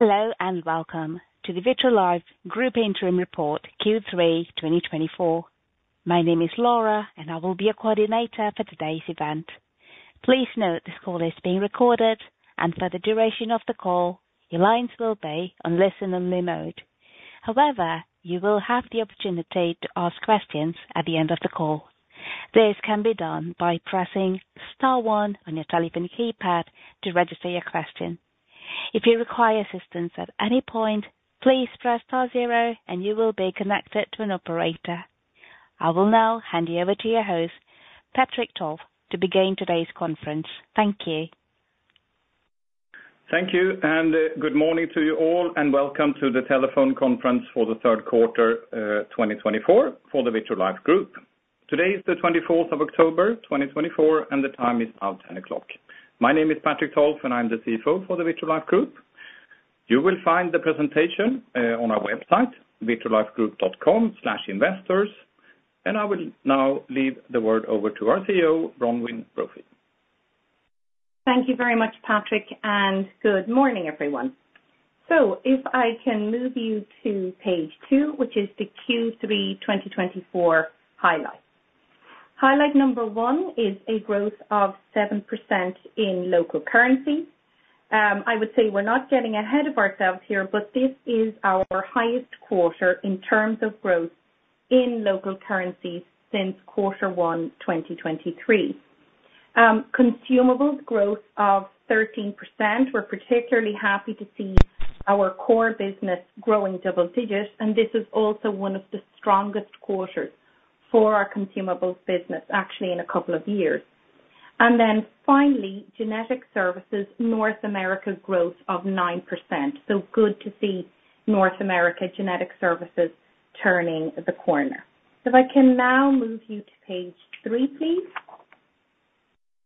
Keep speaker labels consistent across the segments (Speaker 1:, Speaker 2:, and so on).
Speaker 1: Hello, and welcome to the Vitrolife Group Interim Report, Q3 2024. My name is Laura, and I will be your coordinator for today's event. Please note this call is being recorded, and for the duration of the call, your lines will be on listen-only mode. However, you will have the opportunity to ask questions at the end of the call. This can be done by pressing star one on your telephone keypad to register your question. If you require assistance at any point, please press star zero and you will be connected to an operator. I will now hand you over to your host, Patrik Tolf, to begin today's conference. Thank you.
Speaker 2: Thank you, and, good morning to you all, and welcome to the telephone conference for the third quarter, 2024 for the Vitrolife Group. Today is the 24th of October, 2024, and the time is now 10:00 o'clock. My name is Patrik Tolf, and I'm the CFO for the Vitrolife Group. You will find the presentation, on our website, vitrolifegroup.com/investors, and I will now leave the word over to our CEO, Bronwyn Brophy.
Speaker 3: Thank you very much, Patrik, and good morning, everyone. So if I can move you to page two, which is the Q3 2024 highlights. Highlight number one is a growth of 7% in local currency. I would say we're not getting ahead of ourselves here, but this is our highest quarter in terms of growth in local currencies since quarter one, 2023. Consumables growth of 13%. We're particularly happy to see our core business growing double digits, and this is also one of the strongest quarters for our consumables business, actually in a couple of years. And then finally, genetic services, North America's growth of 9%. So good to see North America Genetic Services turning the corner. If I can now move you to page three, please,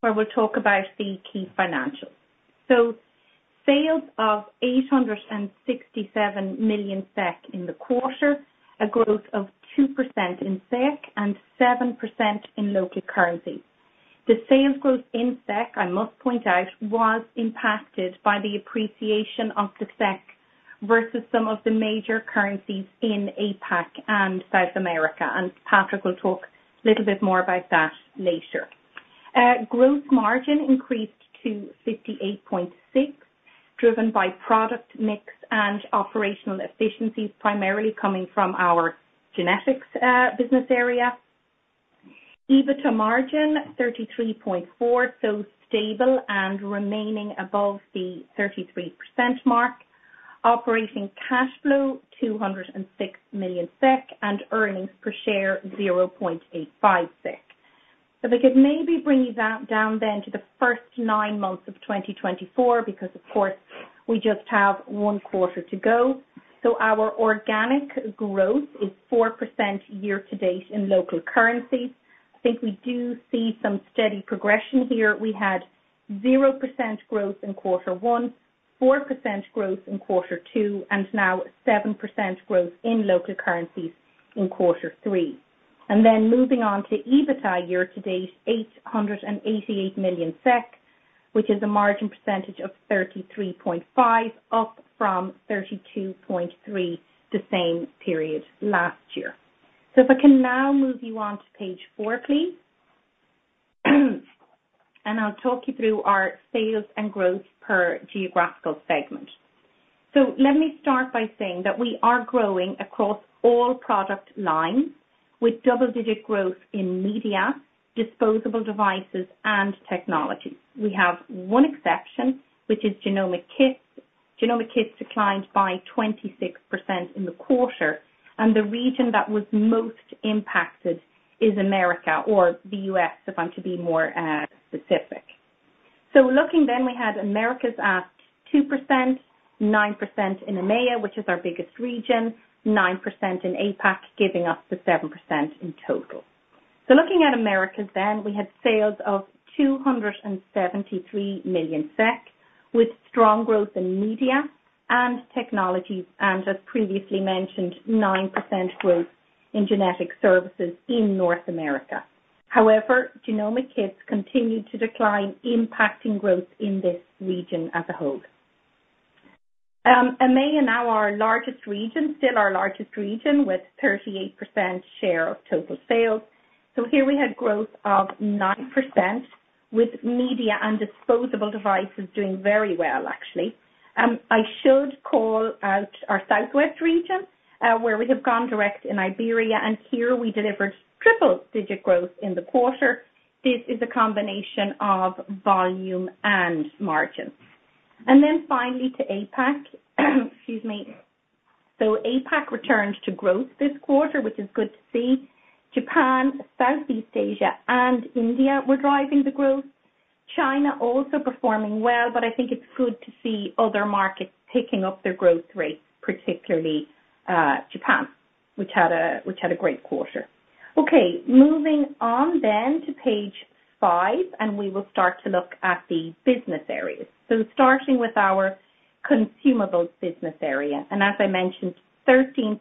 Speaker 3: where we'll talk about the key financials. Sales of 867 million SEK in the quarter, a growth of 2% in SEK and 7% in local currency. The sales growth in SEK, I must point out, was impacted by the appreciation of the SEK versus some of the major currencies in APAC and South America, and Patrik will talk a little bit more about that later. Gross margin increased to 58.6%, driven by product mix and operational efficiencies, primarily coming from our Genetics business area. EBITDA margin 33.4%, so stable and remaining above the 33% mark. Operating cash flow 206 million SEK, and earnings per share 0.85 SEK. So if I could maybe bring you down then to the first nine months of 2024, because of course, we just have one quarter to go. Our organic growth is 4% year-to-date in local currency. I think we do see some steady progression here. We had 0% growth in quarter one, 4% growth in quarter two, and now 7% growth in local currencies in quarter three. Moving on to EBITDA year-to-date, 888 million SEK, which is a margin percentage of 33.5%, up from 32.3%, the same period last year. If I can now move you on to page four, please, and I'll talk you through our sales and growth per geographical segment. Let me start by saying that we are growing across all product lines with double-digit growth in media, disposable devices, and technology. We have one exception, which is Genomic kits. Genomic kits declined by 26% in the quarter, and the region that was most impacted is America or the U.S., if I'm to be more, specific. So looking then, we had Americas at 2%, 9% in EMEA, which is our biggest region, 9% in APAC, giving us the 7% in total. So looking at Americas then, we had sales of 273 million SEK, with strong growth in media and technologies, and as previously mentioned, 9% growth in genetic services in North America. However, Genomic kits continued to decline, impacting growth in this region as a whole. EMEA, now our largest region, still our largest region, with 38% share of total sales. So here we had growth of 9%, with media and disposable devices doing very well, actually. I should call out our Southwest region, where we have gone direct in Iberia, and here we delivered triple-digit growth in the quarter. This is a combination of volume and margins. And then finally to APAC. Excuse me, so APAC returned to growth this quarter, which is good to see. Japan, Southeast Asia, and India were driving the growth. China also performing well, but I think it's good to see other markets picking up their growth rate, particularly Japan, which had a great quarter. Okay, moving on then to page five, and we will start to look at the business areas, starting with our consumables business area, and as I mentioned, 13%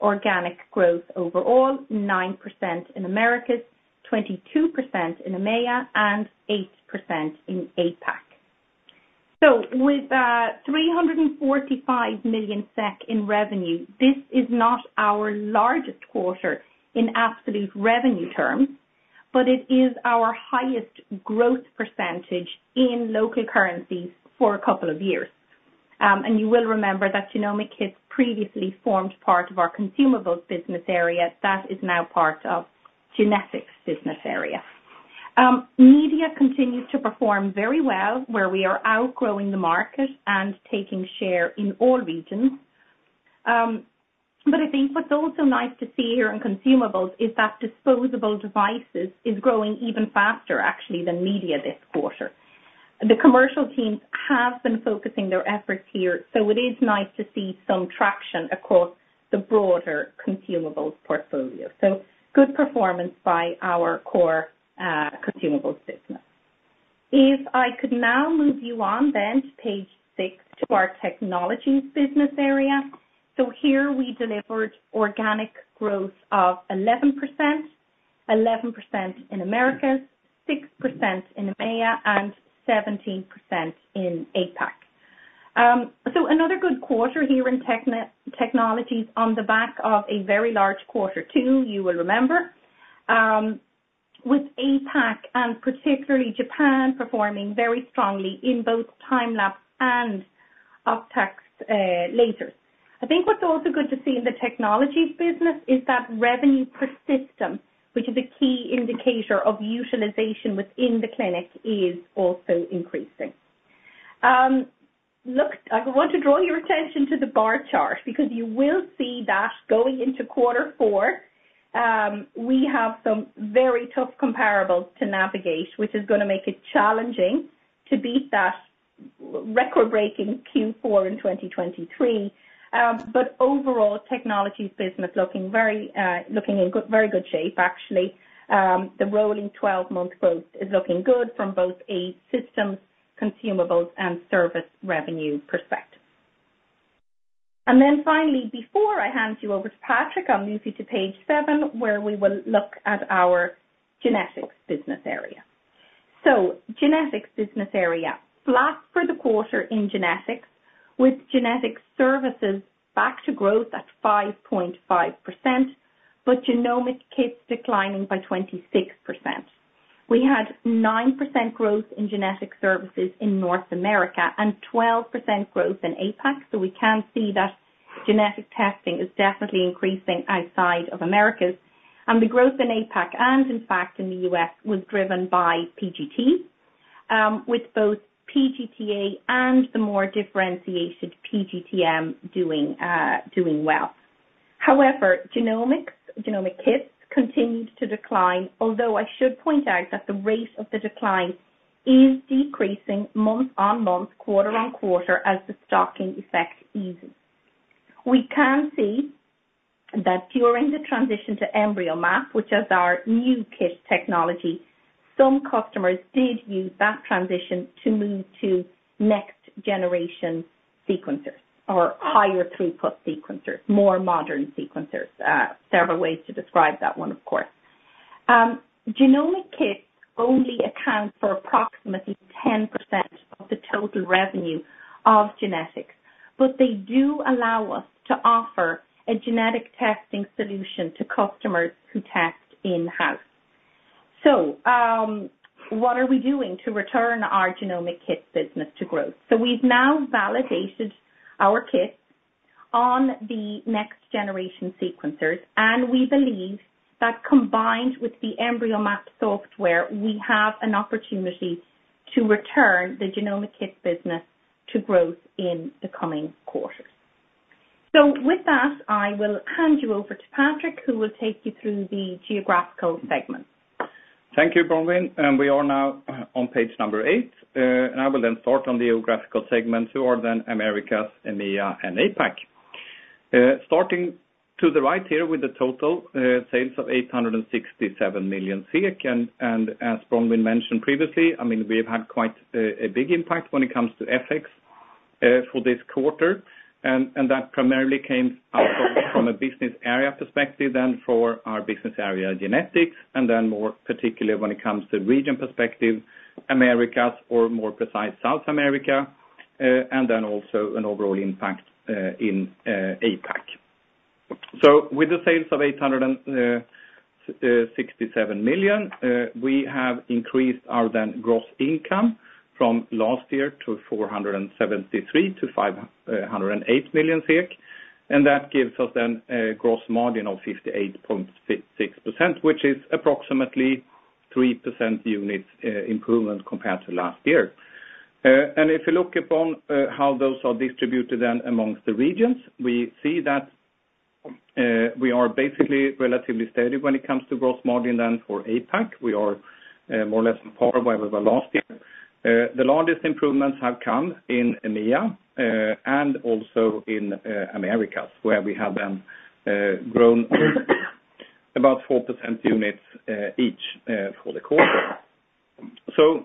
Speaker 3: organic growth overall, 9% in Americas, 22% in EMEA, and 8% in APAC. So with 345 million SEK in revenue, this is not our largest quarter in absolute revenue terms, but it is our highest growth percentage in local currencies for a couple of years. And you will remember that Genomic kits previously formed part of our consumables business area, that is now part of Genetics business area. Media continues to perform very well, where we are outgrowing the market and taking share in all regions. But I think what's also nice to see here in consumables is that disposable devices is growing even faster actually than media this quarter. The commercial teams have been focusing their efforts here, so it is nice to see some traction across the broader consumables portfolio. So good performance by our core consumables business. If I could now move you on then to page six, to our technologies business area, so here we delivered organic growth of 11%. 11% in Americas, 6% in EMEA, and 17% in APAC. So another good quarter here in technologies on the back of a very large quarter two, you will remember. With APAC, and particularly Japan, performing very strongly in both time-lapse and Octax lasers. I think what's also good to see in the technologies business is that revenue per system, which is a key indicator of utilization within the clinic, is also increasing. Look, I want to draw your attention to the bar chart, because you will see that going into quarter four, we have some very tough comparables to navigate, which is gonna make it challenging to beat that record-breaking Q4 in 2023. But overall, technologies business looking very good shape, actually. The rolling 12-month growth is looking good from both a systems, consumables, and service revenue perspective. And then finally, before I hand you over to Patrik, I'll move you to page seven, where we will look at our Genetics business area. So Genetics business area. Flat for the quarter in Genetics, with genetic services back to growth at 5.5%, but Genomic kits declining by 26%. We had 9% growth in genetic services in North America, and 12% growth in APAC. So we can see that genetic testing is definitely increasing outside of Americas. And the growth in APAC, and in fact in the U.S., was driven by PGT, with both PGT-A and the more differentiated PGT-M doing well. However, Genomics, Genomic kits continued to decline, although I should point out that the rate of the decline is decreasing month on month, quarter-on-quarter, as the stocking effect eases. We can see that during the transition to EmbryoMap, which is our new kit technology, some customers did use that transition to move to next generation sequencers or higher throughput sequencers, more modern sequencers. Several ways to describe that one, of course. Genomic kits only account for approximately 10% of the total revenue of Genetics, but they do allow us to offer a genetic testing solution to customers who test in-house. So, what are we doing to return our Genomic kits business to growth? So we've now validated our kits on the next generation sequencers, and we believe that combined with the EmbryoMap software, we have an opportunity to return the Genomic kits business to growth in the coming quarters, so with that, I will hand you over to Patrik, who will take you through the geographical segments.
Speaker 2: Thank you, Bronwyn, and we are now on page number eight. And I will then start on the geographical segments, who are then Americas, EMEA, and APAC. Starting to the right here with the total sales of 867 million, and as Bronwyn mentioned previously, I mean, we've had quite a big impact when it comes to FX for this quarter. And that primarily came from a business area perspective, and for our business area, Genetics, and then more particularly when it comes to region perspective, Americas, or more precise, South America, and then also an overall impact in APAC. So with the sales of 867 million, we have increased our then gross income from last year to 473 million-508 million. That gives us then a gross margin of 58.6%, which is approximately 3% unit improvement compared to last year. If you look upon how those are distributed then amongst the regions, we see that we are basically relatively steady when it comes to gross margin. Then for APAC, we are more or less on par with where we were last year. The largest improvements have come in EMEA and also in Americas, where we have then grown about 4% unit each for the quarter. So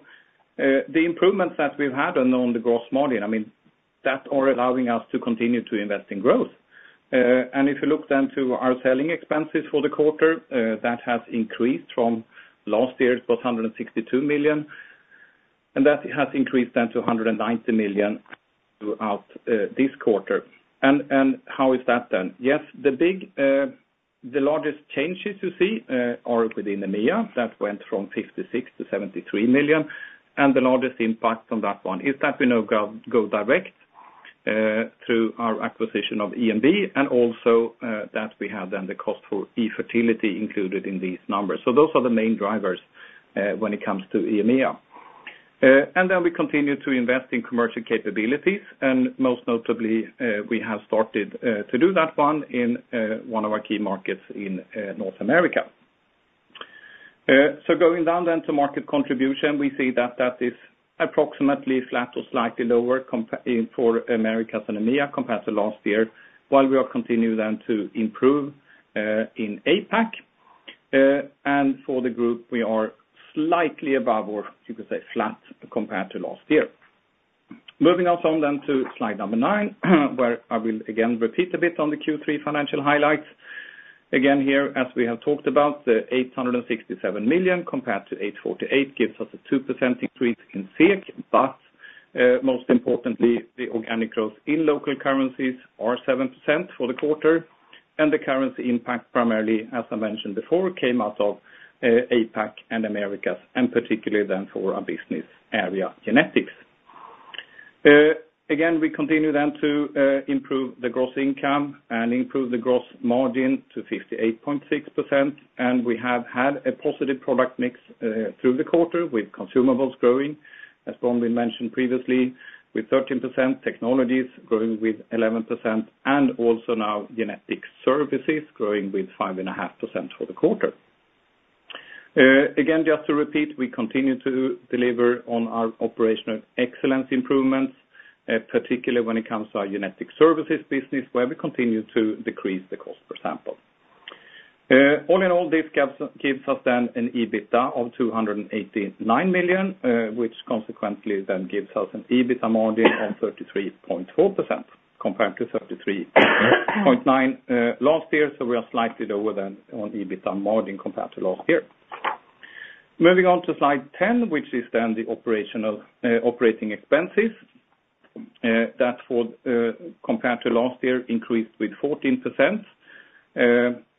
Speaker 2: the improvements that we've had on the gross margin, I mean, that are allowing us to continue to invest in growth. And if you look then to our selling expenses for the quarter, that has increased from last year's 162 million, and that has increased then to 190 million throughout this quarter. And how is that then? Yes, the largest changes you see are within the EMEA, that went from 56 million-73 million, and the largest impact from that one is that we now go direct through our acquisition of EMV and also, that we have then the cost for eFertility included in these numbers. So those are the main drivers when it comes to EMEA. And then we continue to invest in commercial capabilities, and most notably, we have started to do that one in one of our key markets in North America. So going down then to market contribution, we see that that is approximately flat or slightly lower for Americas and EMEA compared to last year, while we are continuing then to improve in APAC. And for the group, we are slightly above or you could say flat compared to last year. Moving us on then to slide number nine, where I will again repeat a bit on the Q3 financial highlights. Again, here, as we have talked about, the 867 million compared to 848 million gives us a 2% increase in SEK, but most importantly, the organic growth in local currencies are 7% for the quarter, and the currency impact, primarily, as I mentioned before, came out of APAC and Americas, and particularly then for our business area, Genetics. Again, we continue then to improve the gross income and improve the gross margin to 58.6%, and we have had a positive product mix through the quarter, with consumables growing, as Bronwyn mentioned previously, with 13%, technologies growing with 11%, and also now genetic services growing with 5.5% for the quarter. Again, just to repeat, we continue to deliver on our operational excellence improvements, particularly when it comes to our genetic services business, where we continue to decrease the cost per sample. All in all, this gives us then an EBITDA of 289 million, which consequently then gives us an EBITDA margin of 33.4%, compared to 33.9% last year. We are slightly lower than on EBITDA margin compared to last year. Moving on to slide 10, which is then the operational, operating expenses. That for, compared to last year, increased with 14%.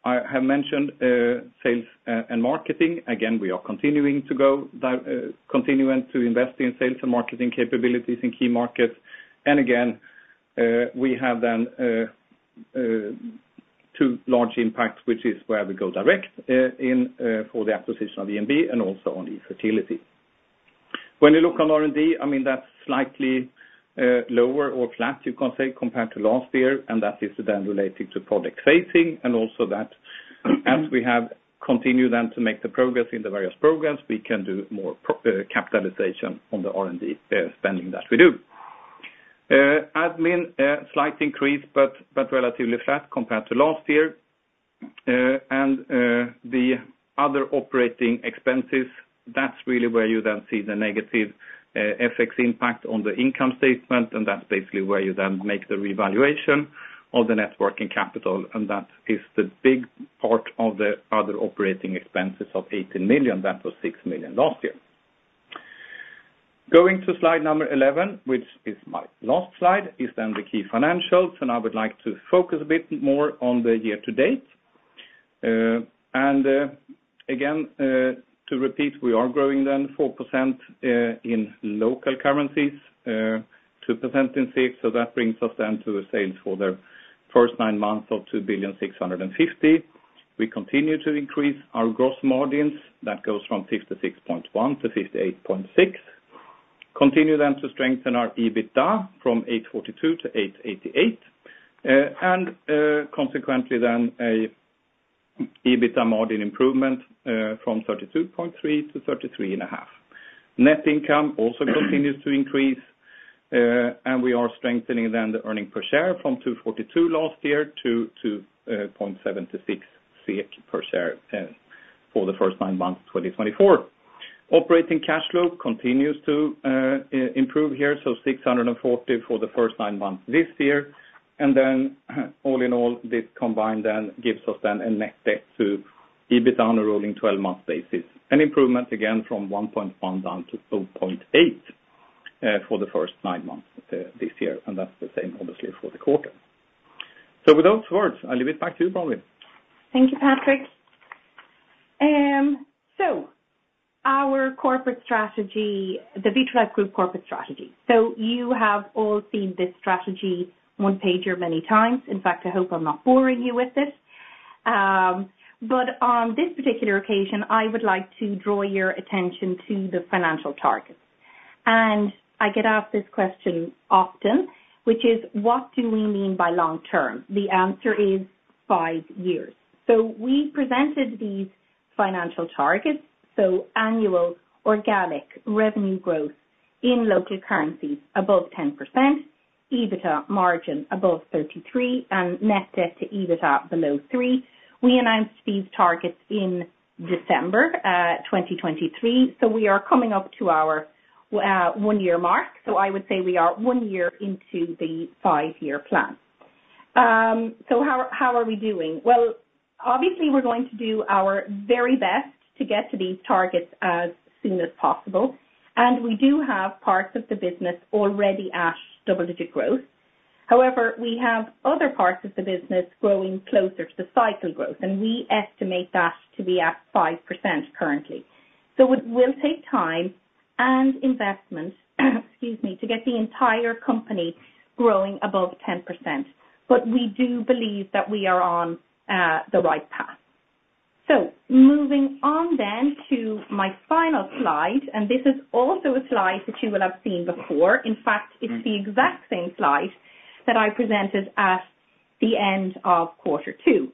Speaker 2: I have mentioned, sales, and marketing. Again, we are continuing to go, continuing to invest in sales and marketing capabilities in key markets. And again, we have then, two large impacts, which is where we go direct, in, for the acquisition of EMV and also on eFertility. When you look on R&D, I mean, that's slightly, lower or flat, you can say, compared to last year, and that is then related to product phasing, and also that as we have continued then to make the progress in the various programs, we can do more pro- capitalization on the R&D, spending that we do. Admin, a slight increase, but relatively flat compared to last year. And, the other operating expenses, that's really where you then see the negative, FX impact on the income statement, and that's basically where you then make the revaluation of the net working capital, and that is the big part of the other operating expenses of 18 million. That was 6 million last year. Going to slide number 11, which is my last slide, is then the key financials, and I would like to focus a bit more on the year-to-date. And, again, to repeat, we are growing then 4% in local currencies, 2% in SEK, so that brings us then to the sales for the first nine months of 2.650 billion. We continue to increase our gross margins. That goes from 56.1%-58.6%. Continue then to strengthen our EBITDA from 842 million-888 million, and consequently, then an EBITDA margin improvement from 32.3%-33.5%. Net income also continues to increase, and we are strengthening then the earnings per share from 2.42 last year to 2.76 per share for the first nine months, 2024. Operating cash flow continues to improve here, so 640 million for the first nine months this year. Then, all in all, this combined then gives us then a net debt to EBITDA on a rolling twelve-month basis. An improvement, again, from 1.1% down to 0.8% for the first nine months this year, and that's the same, obviously, for the quarter. So with those words, I'll leave it back to you, Bronwyn.
Speaker 3: Thank you, Patrik. So our corporate strategy, the Vitrolife Group corporate strategy. So you have all seen this strategy one pager many times. In fact, I hope I'm not boring you with this. But on this particular occasion, I would like to draw your attention to the financial targets. And I get asked this question often, which is: What do we mean by long term? The answer is five years. So we presented these financial targets, so annual organic revenue growth in local currencies above 10%.... EBITDA margin above 33% and net debt to EBITDA below 3%. We announced these targets in December 2023. So we are coming up to our one-year mark. So I would say we are one year into the five-year plan. So how are we doing? Well, obviously, we're going to do our very best to get to these targets as soon as possible, and we do have parts of the business already at double-digit growth. However, we have other parts of the business growing closer to the cyclical growth, and we estimate that to be at 5% currently. So it will take time and investment, excuse me, to get the entire company growing above 10%. But we do believe that we are on the right path. So moving on then to my final slide, and this is also a slide that you will have seen before. In fact, it's the exact same slide that I presented at the end of quarter two.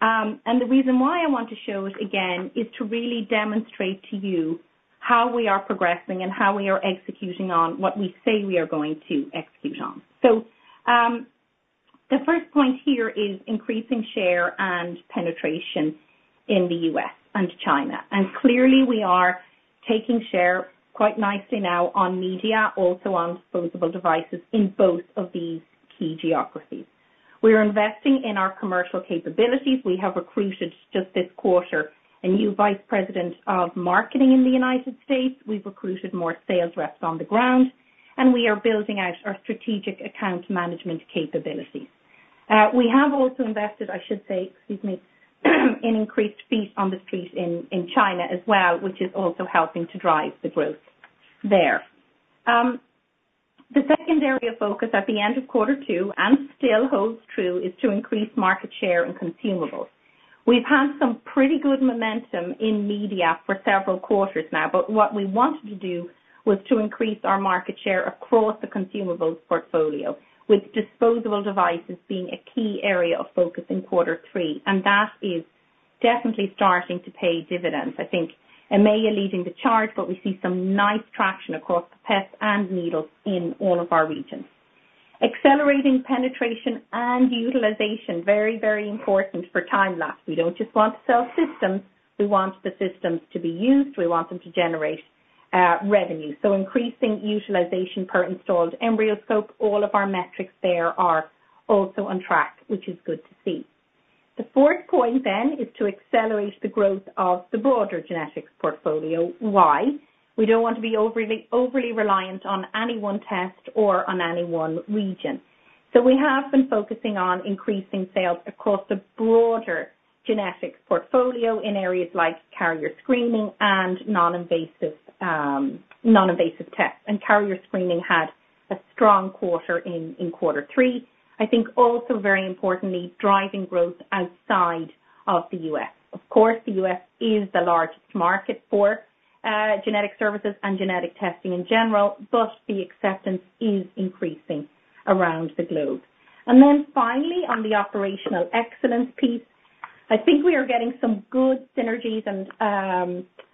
Speaker 3: And the reason why I want to show it again is to really demonstrate to you how we are progressing and how we are executing on what we say we are going to execute on. So, the first point here is increasing share and penetration in the U.S. and China. And clearly, we are taking share quite nicely now on media, also on disposable devices in both of these key geographies. We are investing in our commercial capabilities. We have recruited, just this quarter, a new vice president of marketing in the United States. We've recruited more sales reps on the ground, and we are building out our strategic account management capabilities. We have also invested, I should say, excuse me, in increased feet on the street in China as well, which is also helping to drive the growth there. The second area of focus at the end of quarter two, and still holds true, is to increase market share and consumables. We've had some pretty good momentum in media for several quarters now, but what we wanted to do was to increase our market share across the consumables portfolio, with disposable devices being a key area of focus in quarter three, and that is definitely starting to pay dividends. I think EMEA are leading the charge, but we see some nice traction across the tests and needles in all of our regions. Accelerating penetration and utilization, very, very important for time-lapse. We don't just want to sell systems; we want the systems to be used. We want them to generate revenue. So, increasing utilization per installed EmbryoScope, all of our metrics there are also on track, which is good to see. The fourth point then is to accelerate the growth of the broader Genetics portfolio. Why? We don't want to be overly, overly reliant on any one test or on any one region. So we have been focusing on increasing sales across the broader Genetics portfolio in areas like carrier screening and non-invasive non-invasive tests. And carrier screening had a strong quarter in quarter three. I think also very importantly, driving growth outside of the U.S. Of course, the U.S. is the largest market for genetic services and genetic testing in general, but the acceptance is increasing around the globe. And then finally, on the operational excellence piece, I think we are getting some good synergies and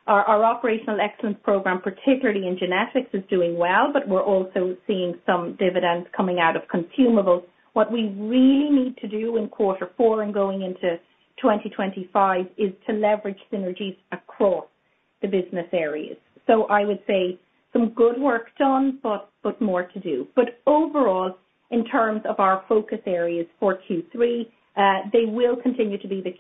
Speaker 3: our operational excellence program, particularly in Genetics, is doing well, but we're also seeing some dividends coming out of consumables. What we really need to do in quarter four and going into 2025 is to leverage synergies across the business areas. So I would say some good work done, but more to do. But overall, in terms of our focus areas for Q3, they will continue to be the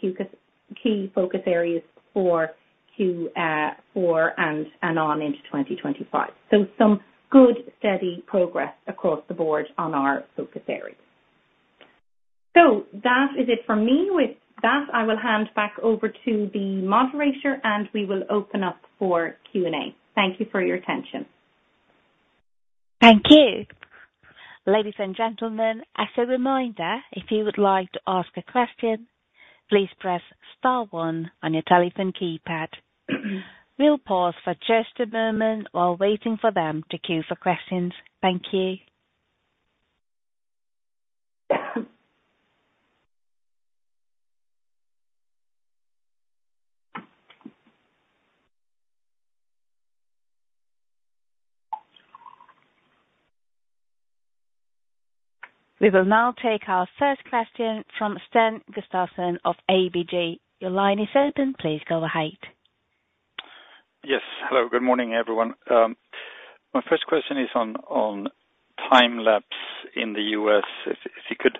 Speaker 3: key focus areas for Q4 and on into 2025. So some good, steady progress across the board on our focus areas. So that is it for me. With that, I will hand back over to the moderator, and we will open up for Q&A. Thank you for your attention.
Speaker 1: Thank you. Ladies and gentlemen, as a reminder, if you would like to ask a question, please press star one on your telephone keypad. We'll pause for just a moment while waiting for them to queue for questions. Thank you. We will now take our first question from Sten Gustafsson of ABG. Your line is open. Please go ahead.
Speaker 4: Yes. Hello, good morning, everyone. My first question is on time lapse in the U.S. If you could...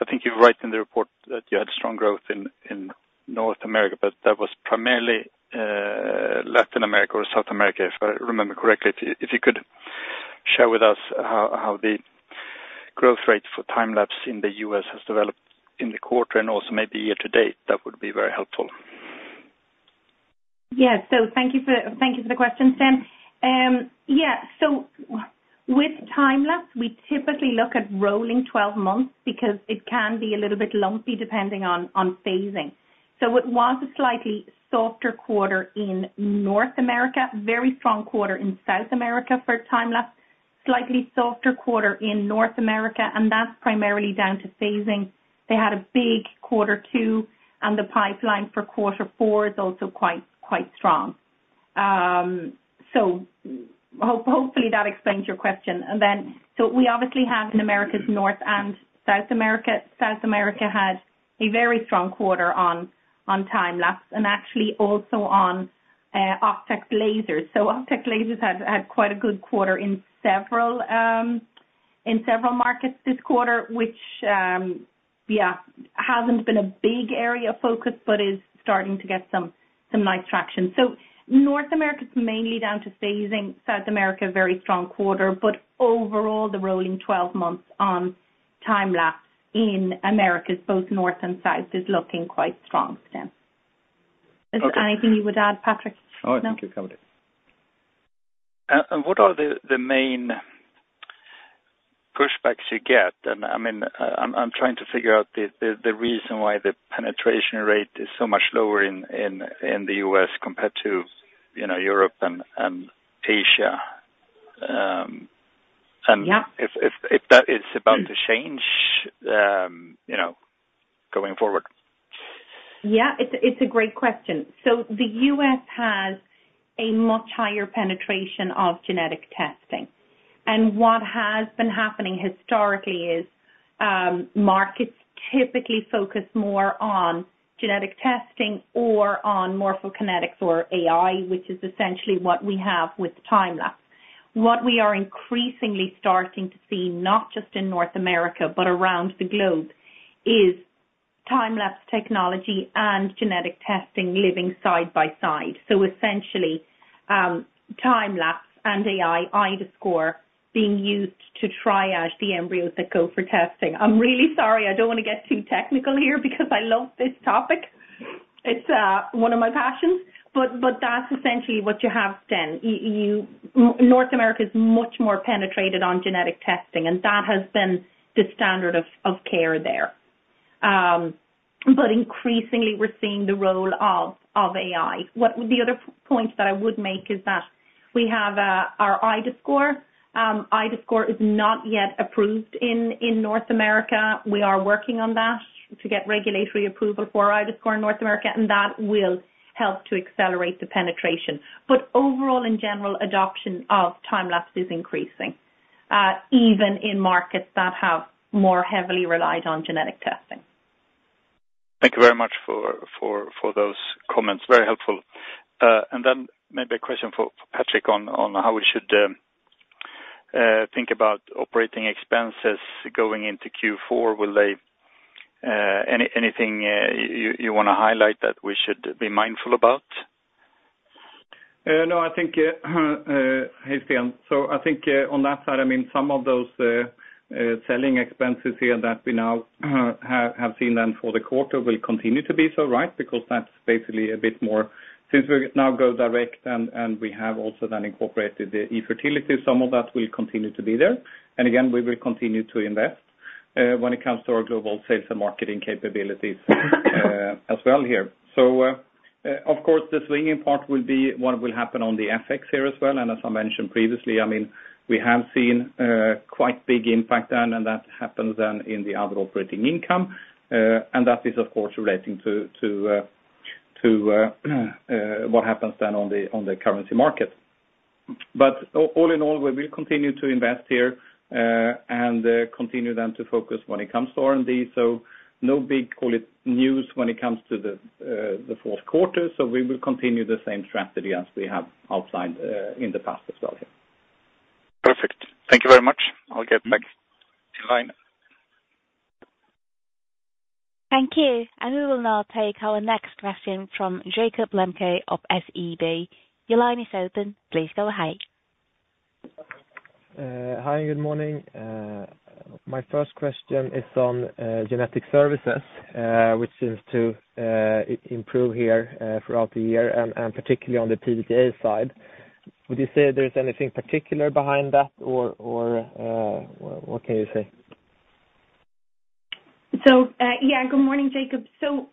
Speaker 4: I think you're right in the report that you had strong growth in North America, but that was primarily Latin America or South America, if I remember correctly. If you could share with us how the growth rate for time lapse in the U.S. has developed in the quarter and also maybe year-to-date, that would be very helpful.
Speaker 3: Yes. So thank you for the question, Sten. Yeah, so with time-lapse, we typically look at rolling twelve months because it can be a little bit lumpy, depending on phasing. So it was a slightly softer quarter in North America, very strong quarter in South America for time-lapse, and that's primarily down to phasing. They had a big quarter two, and the pipeline for quarter four is also quite strong. So hopefully that explains your question. And then, so we obviously have in Americas, North and South America. South America had a very strong quarter on time-lapse and actually also on Octax lasers. Octax lasers had quite a good quarter in several markets this quarter, which, yeah, hasn't been a big area of focus, but is starting to get some nice traction. North America's mainly down to phasing. South America, very strong quarter, but overall, the rolling twelve months on time lapse in Americas, both North and South, is looking quite strong, Sten. Is there anything you would add, Patrik?
Speaker 2: No, thank you.
Speaker 4: What are the main pushbacks you get? I mean, I'm trying to figure out the reason why the penetration rate is so much lower in the U.S. compared to, you know, Europe and Asia. Yeah. If that is about to change, you know, going forward?
Speaker 3: Yeah, it's a great question. So the U.S. has a much higher penetration of genetic testing, and what has been happening historically is, markets typically focus more on genetic testing or on morphokinetics or AI, which is essentially what we have with time-lapse. What we are increasingly starting to see, not just in North America, but around the globe, is time-lapse technology and genetic testing living side by side. So essentially, time-lapse and AI, iDAScore, being used to triage the embryos that go for testing. I'm really sorry, I don't want to get too technical here because I love this topic. It's one of my passions. But that's essentially what you have then. North America is much more penetrated on genetic testing, and that has been the standard of care there. But increasingly, we're seeing the role of AI. The other point that I would make is that we have our iDAScore. iDAScore is not yet approved in North America. We are working on that to get regulatory approval for iDAScore in North America, and that will help to accelerate the penetration. But overall, in general, adoption of time-lapse is increasing, even in markets that have more heavily relied on genetic testing.
Speaker 4: Thank you very much for those comments. Very helpful. And then maybe a question for Patrik on how we should think about operating expenses going into Q4. Will they anything you wanna highlight that we should be mindful about?
Speaker 2: No, I think, hey, Sten. So I think on that side, I mean, some of those selling expenses here that we now have seen then for the quarter will continue to be so, right? Because that's basically a bit more. Since we now go direct and we have also then incorporated the eFertility, some of that will continue to be there. And again, we will continue to invest when it comes to our global sales and marketing capabilities as well here. So of course, the swinging part will be what will happen on the FX here as well. And as I mentioned previously, I mean, we have seen quite big impact then, and that happens then in the other operating income. And that is, of course, relating to what happens then on the currency market. But all in all, we will continue to invest here and continue then to focus when it comes to R&D. So no big, call it, news when it comes to the fourth quarter. So we will continue the same strategy as we have outlined in the past as well.
Speaker 4: Perfect. Thank you very much. I'll get back in line.
Speaker 1: Thank you, and we will now take our next question from Jakob Lemke of SEB. Your line is open. Please go ahead.
Speaker 5: Hi, good morning. My first question is on genetic services, which seems to improve here throughout the year and particularly on the PGT-A side. Would you say there is anything particular behind that or what can you say?
Speaker 3: So, yeah, good morning, Jakob. So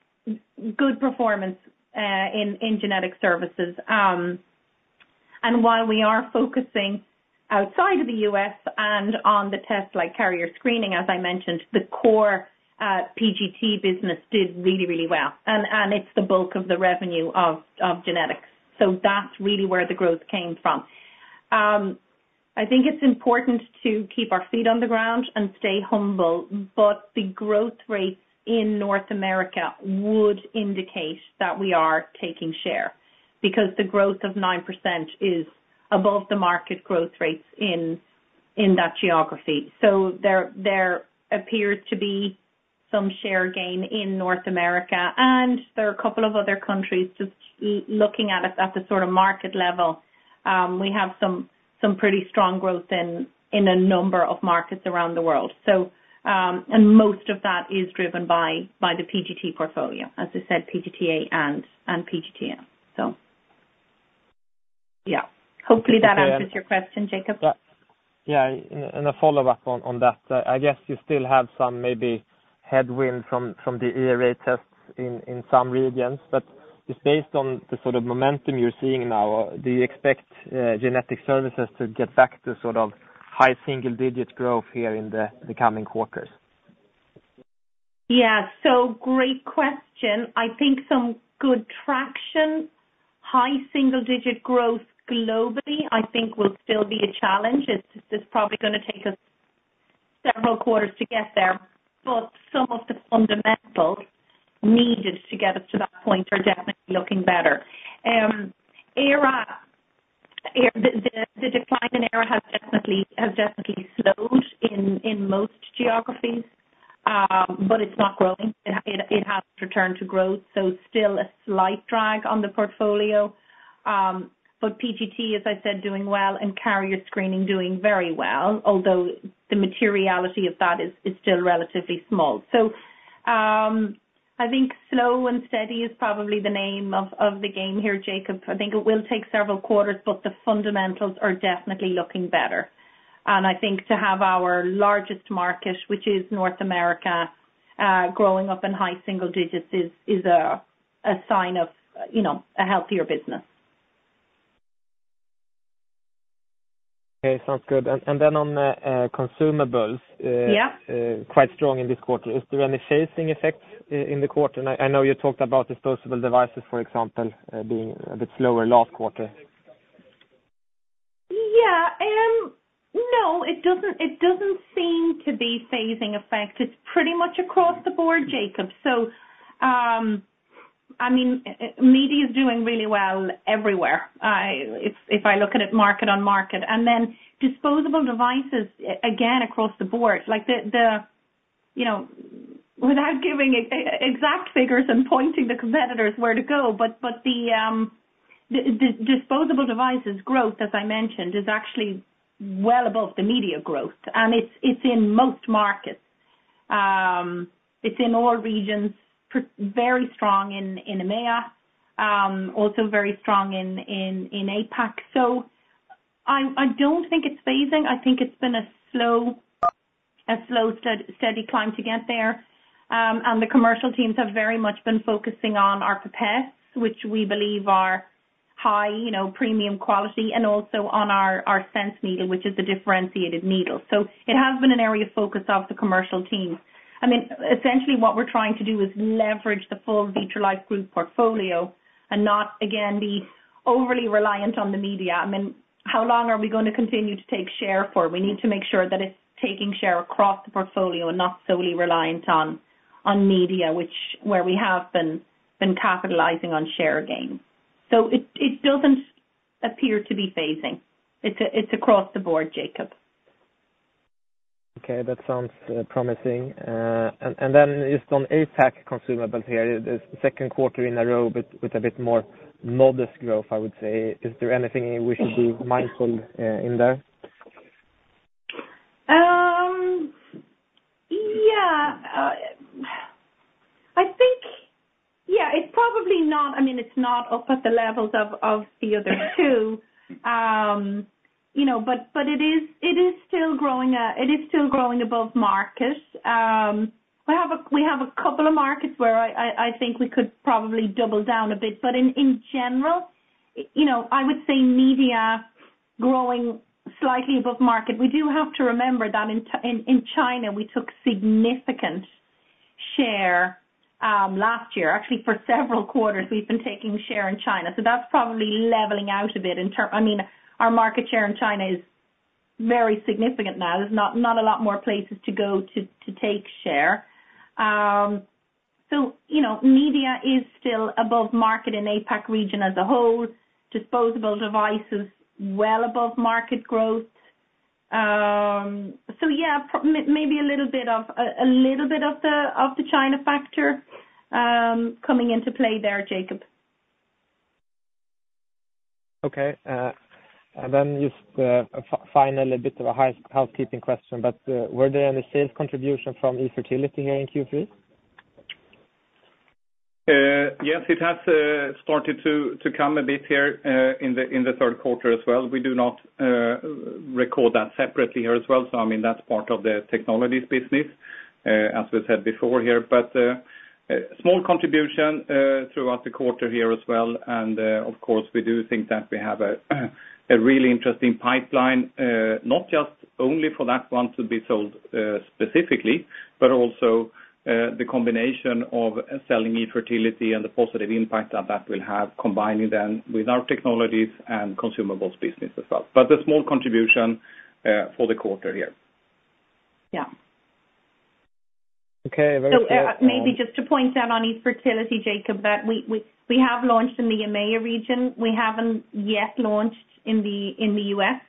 Speaker 3: good performance in genetic services. And while we are focusing outside of the U.S. and on the tests like carrier screening, as I mentioned, the core PGT business did really, really well. And it's the bulk of the revenue of Genetics. So that's really where the growth came from. I think it's important to keep our feet on the ground and stay humble, but the growth rates in North America would indicate that we are taking share, because the growth of 9% is above the market growth rates in that geography. So there appears to be some share gain in North America, and there are a couple of other countries just looking at it at the sort of market level. We have some pretty strong growth in a number of markets around the world. So, and most of that is driven by the PGT portfolio, as I said, PGT-A and PGT-M. So yeah, hopefully that answers your question, Jakob.
Speaker 5: Yeah. Yeah, and a follow-up on that. I guess you still have some maybe headwind from the ERA tests in some regions, but just based on the sort of momentum you're seeing now, do you expect genetic services to get back to sort of high single-digit growth here in the coming quarters?...
Speaker 3: Yeah, so great question. I think some good traction, high single digit growth globally, I think will still be a challenge. It's probably going to take us several quarters to get there, but some of the fundamentals needed to get us to that point are definitely looking better. ERA, the decline in ERA has definitely slowed in most geographies. But it's not growing. It has returned to growth, so still a slight drag on the portfolio. But PGT, as I said, doing well and carrier screening, doing very well, although the materiality of that is still relatively small. So, I think slow and steady is probably the name of the game here, Jakob. I think it will take several quarters, but the fundamentals are definitely looking better. I think to have our largest market, which is North America, growing up in high single digits, is a sign of, you know, a healthier business.
Speaker 5: Okay, sounds good. And then on the consumables-
Speaker 3: Yeah.
Speaker 5: Quite strong in this quarter. Is there any phasing effects in the quarter? And I know you talked about disposable devices, for example, being a bit slower last quarter.
Speaker 3: Yeah. No, it doesn't, it doesn't seem to be phasing effect. It's pretty much across the board, Jakob. So, I mean, media is doing really well everywhere. If, if I look at it market on market, and then disposable devices, again, across the board, like the, the, you know, without giving exact figures and pointing the competitors where to go, but, but the, the disposable devices growth, as I mentioned, is actually well above the media growth, and it's, it's in most markets. It's in all regions, very strong in EMEA, also very strong in APAC. So I, I don't think it's phasing. I think it's been a slow, a slow, steady climb to get there. And the commercial teams have very much been focusing on our pipettes, which we believe are high, you know, premium quality, and also on our Sense needle, which is a differentiated needle. So it has been an area of focus of the commercial teams. I mean, essentially what we're trying to do is leverage the full Vitrolife Group portfolio and not, again, be overly reliant on the media. I mean, how long are we going to continue to take share for? We need to make sure that it's taking share across the portfolio and not solely reliant on media, which where we have been capitalizing on share gains. So it doesn't appear to be phasing. It's across the board, Jakob.
Speaker 5: Okay, that sounds promising. And then just on APAC consumables here, the second quarter in a row with a bit more modest growth, I would say. Is there anything we should be mindful in there?
Speaker 3: Yeah. I think, yeah, it's probably not. I mean, it's not up at the levels of the other two. You know, but it is still growing above markets. We have a couple of markets where I think we could probably double down a bit. But in general, you know, I would say media growing slightly above market. We do have to remember that in China, we took significant share last year. Actually, for several quarters, we've been taking share in China, so that's probably leveling out a bit. I mean, our market share in China is very significant now. There's not a lot more places to go to take share. So, you know, media is still above market in APAC region as a whole. Disposable devices, well above market growth. So yeah, maybe a little bit of the China factor coming into play there, Jakob.
Speaker 5: Okay. And then just finally, a bit of a housekeeping question, but were there any sales contribution from eFertility here in Q3?
Speaker 2: Yes, it has started to come a bit here in the third quarter as well. We do not record that separately here as well. So, I mean, that's part of the technologies business, as we said before here. But a small contribution throughout the quarter here as well. And of course, we do think that we have a really interesting pipeline, not just only for that one to be sold specifically, but also the combination of selling eFertility and the positive impact that that will have, combining them with our technologies and consumables business as well. But a small contribution for the quarter here.
Speaker 3: Yeah.
Speaker 5: Okay, very good,
Speaker 3: Maybe just to point out on eFertility, Jakob, that we have launched in the EMEA region. We haven't yet launched in the U.S.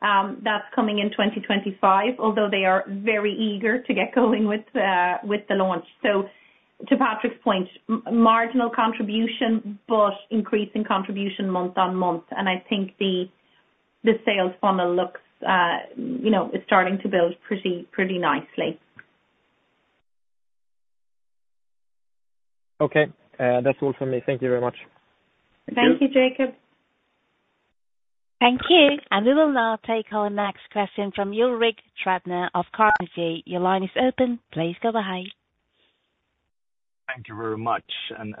Speaker 3: That's coming in 2025, although they are very eager to get going with the launch. To Patrik's point, marginal contribution, but increasing contribution month on month. I think the sales funnel looks, you know, is starting to build pretty nicely.
Speaker 5: Okay. That's all for me. Thank you very much.
Speaker 3: Thank you, Jakob.
Speaker 1: Thank you. And we will now take our next question from Ulrik Trattner of Carnegie. Your line is open. Please go ahead....
Speaker 6: Thank you very much. And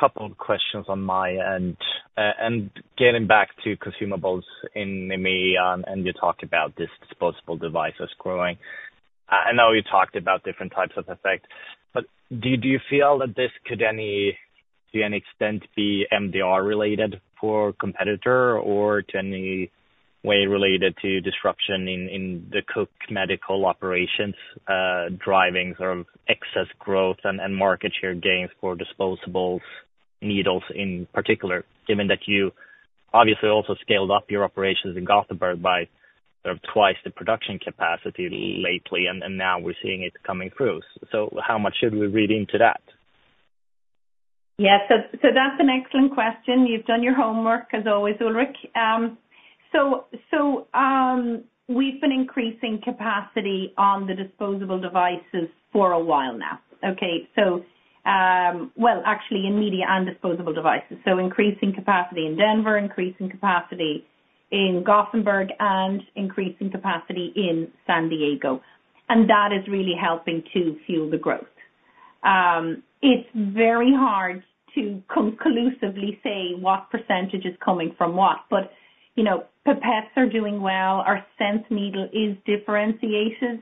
Speaker 6: couple of questions on my end. And getting back to consumables in EMEA, and you talked about these disposable devices growing. I know you talked about different types of effect, but do you feel that this could to any extent be MDR related for competitor or to any way related to disruption in the Cook Medical operations, driving sort of excess growth and market share gains for disposables, needles in particular, given that you obviously also scaled up your operations in Gothenburg by sort of twice the production capacity lately, and now we're seeing it coming through. So how much should we read into that?
Speaker 3: Yeah. That's an excellent question. You've done your homework, as always, Ulrik. We've been increasing capacity on the disposable devices for a while now. Actually in media and disposable devices. So increasing capacity in Denver, increasing capacity in Gothenburg, and increasing capacity in San Diego. And that is really helping to fuel the growth. It's very hard to conclusively say what percentage is coming from what, but you know, pipettes are doing well. Our Sense needle is differentiated.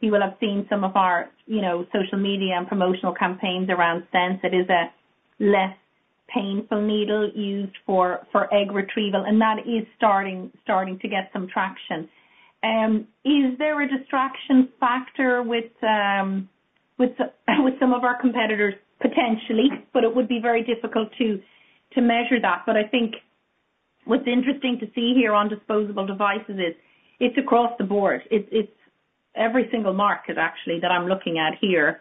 Speaker 3: You will have seen some of our, you know, social media and promotional campaigns around Sense. It is a less painful needle used for egg retrieval, and that is starting to get some traction. Is there a distraction factor with some of our competitors? Potentially, but it would be very difficult to measure that. But I think what's interesting to see here on disposable devices is it's across the board. It's every single market actually that I'm looking at here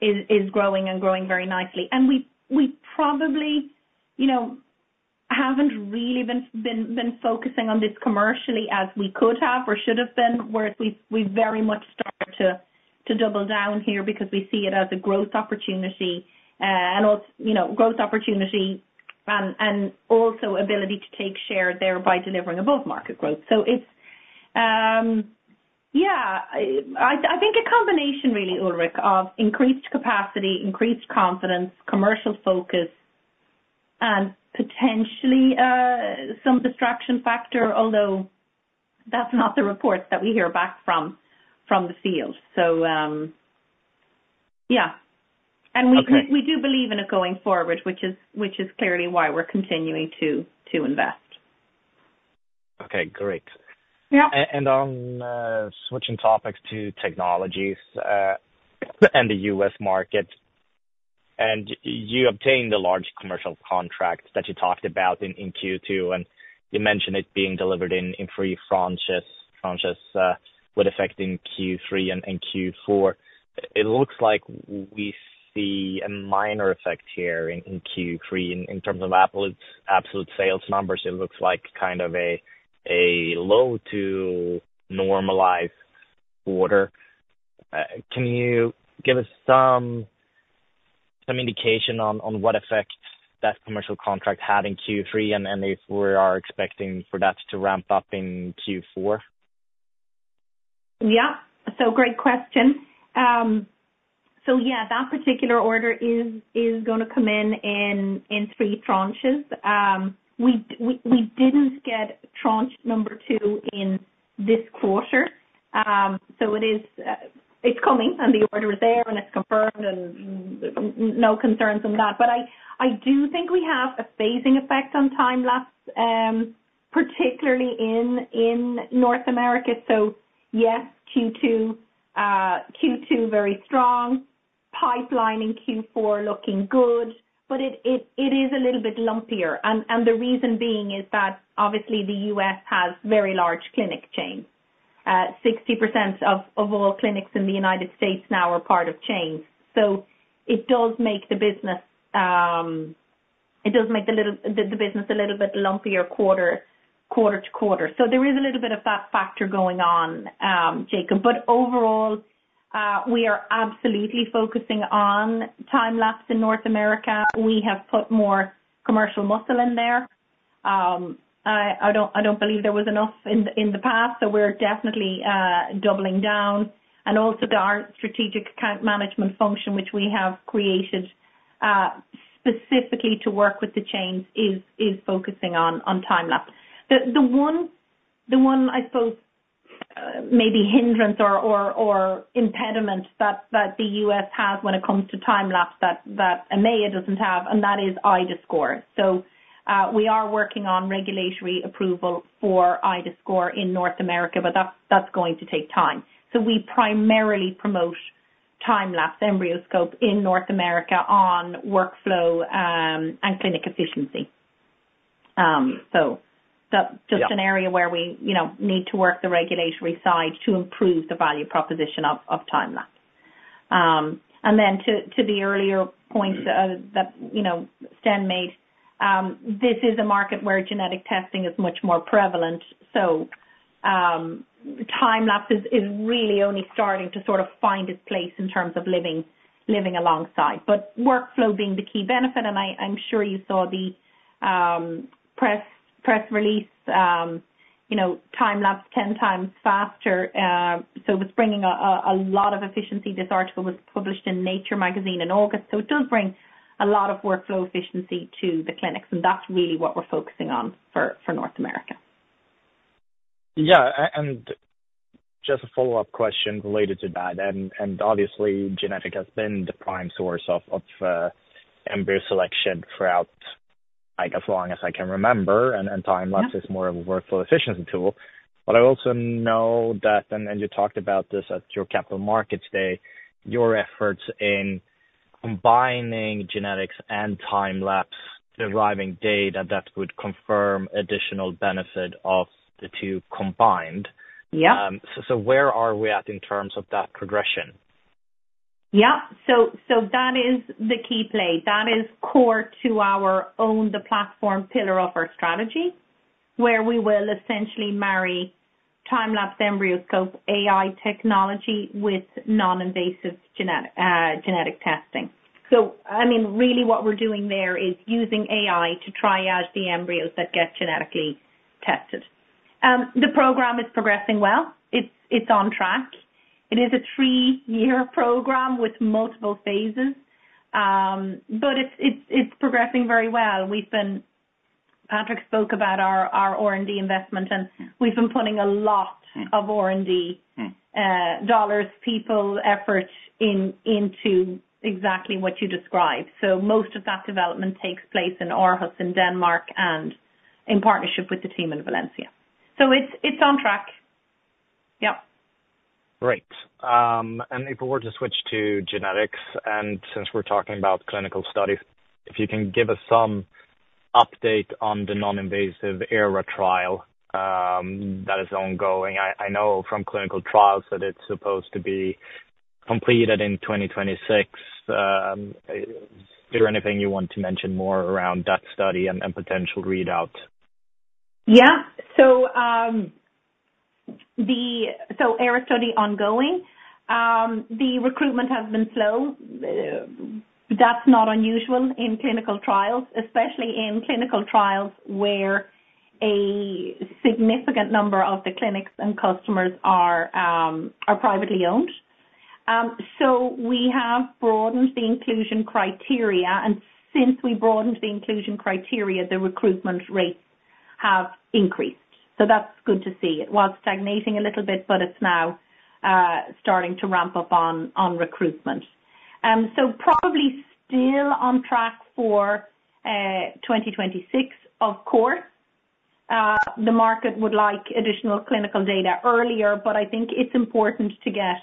Speaker 3: is growing and growing very nicely. And we probably, you know, haven't really been focusing on this commercially as we could have or should have been, where we've very much started to double down here because we see it as a growth opportunity. And also, you know, growth opportunity and also ability to take share there by delivering above market growth. So it's yeah, I think a combination really, Ulrik, of increased capacity, increased confidence, commercial focus and potentially some distraction factor, although that's not the reports that we hear back from the field. So yeah.
Speaker 6: Okay.
Speaker 3: We do believe in it going forward, which is clearly why we're continuing to invest.
Speaker 6: Okay, great.
Speaker 3: Yeah.
Speaker 6: And on switching topics to technologies, and the U.S. market, and you obtained a large commercial contract that you talked about in Q2, and you mentioned it being delivered in three tranches, with effect in Q3 and Q4. It looks like we see a minor effect here in Q3. In terms of absolute sales numbers, it looks like kind of a low to normalized quarter. Can you give us some indication on what effect that commercial contract had in Q3, and if we are expecting for that to ramp up in Q4?
Speaker 3: Yeah. So, great question, so yeah, that particular order is gonna come in three tranches. We didn't get tranche number two in this quarter. So it is, it's coming, and the order is there, and it's confirmed, and no concerns on that, but I do think we have a phasing effect on time-lapse, particularly in North America, so yes, Q2 very strong. Pipeline in Q4 looking good, but it is a little bit lumpier, and the reason being is that obviously the U.S. has very large clinic chains. 60% of all clinics in the United States now are part of chains, so it does make the business a little bit lumpier quarter-to-quarter. So there is a little bit of that factor going on, Jakob. But overall, we are absolutely focusing on time-lapse in North America. We have put more commercial muscle in there. I don't believe there was enough in the past, so we're definitely doubling down. And also our strategic account management function, which we have created, specifically to work with the chains, is focusing on time-lapse. The one I suppose maybe hindrance or impediment that the U.S. has when it comes to time-lapse, that EMEA doesn't have, and that is iDAScore. So we are working on regulatory approval for iDAScore in North America, but that's going to take time. So we primarily promote time-lapse EmbryoScope in North America on workflow and clinic efficiency. So that-
Speaker 6: Yeah.
Speaker 3: Just an area where we, you know, need to work the regulatory side to improve the value proposition of time-lapse. And then to the earlier points that, you know, Sten made, this is a market where genetic testing is much more prevalent. So, time-lapse is really only starting to sort of find its place in terms of living alongside. But workflow being the key benefit, and I'm sure you saw the press release, you know, time-lapse ten times faster. So it's bringing a lot of efficiency. This article was published in Nature magazine in August, so it does bring a lot of workflow efficiency to the clinics, and that's really what we're focusing on for North America.
Speaker 6: Yeah, and just a follow-up question related to that, and obviously, genetic has been the prime source of embryo selection throughout, like, as long as I can remember, and time-lapse-
Speaker 3: Yeah
Speaker 6: It is more of a workflow efficiency tool. But I also know that, and you talked about this at your capital markets day, your efforts in combining Genetics and time-lapse deriving data that would confirm additional benefit of the two combined.
Speaker 3: Yeah.
Speaker 6: So, where are we at in terms of that progression?
Speaker 3: Yeah. So that is the key play. That is core to our own, the platform pillar of our strategy, where we will essentially marry time-lapse EmbryoScope, AI technology with non-invasive genetic genetic testing. So, I mean, really what we're doing there is using AI to triage the embryos that get genetically tested. The program is progressing well. It's on track. It is a three-year program with multiple phases. But it's progressing very well. We've been. Patrik spoke about our R&D investment, and we've been putting a lot of R&D
Speaker 6: Mm...
Speaker 3: dollars, people, effort into exactly what you described. So most of that development takes place in Aarhus, in Denmark, and in partnership with the team in Valencia. So it's on track. Yep.
Speaker 6: Great, and if we were to switch to Genetics, and since we're talking about clinical studies, if you can give us some update on the non-invasive ERA trial that is ongoing. I know from clinical trials that it's supposed to be completed in 2026. Is there anything you want to mention more around that study and potential readouts?
Speaker 3: Yeah. So the ERA study ongoing, the recruitment has been slow. That's not unusual in clinical trials, especially in clinical trials where a significant number of the clinics and customers are privately owned. So we have broadened the inclusion criteria, and since we broadened the inclusion criteria, the recruitment rates have increased. So that's good to see. It was stagnating a little bit, but it's now starting to ramp up on recruitment. So probably still on track for 2026, of course. The market would like additional clinical data earlier, but I think it's important to get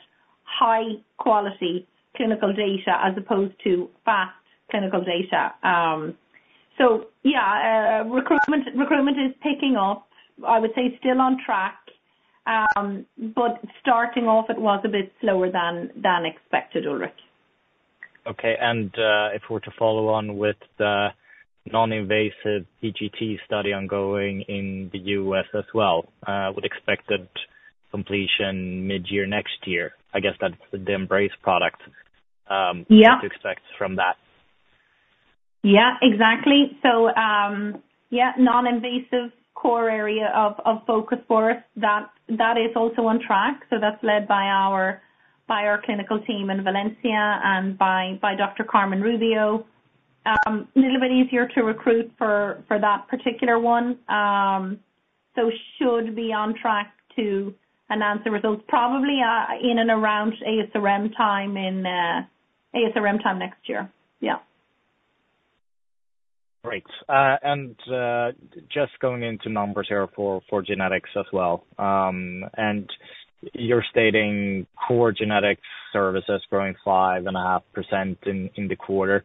Speaker 3: high quality clinical data as opposed to fast clinical data. So yeah, recruitment is picking up. I would say still on track, but starting off, it was a bit slower than expected, Ulrik.
Speaker 6: Okay. And, if we're to follow on with the non-invasive PGT study ongoing in the U.S. as well, with expected completion mid-year next year, I guess that's the EMBRACE product.
Speaker 3: Yeah.
Speaker 6: to expect from that.
Speaker 3: Yeah, exactly. So, yeah, non-invasive core area of focus for us, that is also on track. So that's led by our clinical team in Valencia and by Dr. Carmen Rubio. A little bit easier to recruit for that particular one. So should be on track to announce the results, probably in and around ASRM time next year. Yeah.
Speaker 6: Great, and just going into numbers here for Genetics as well. And you're stating core genetic services growing 5.5% in the quarter.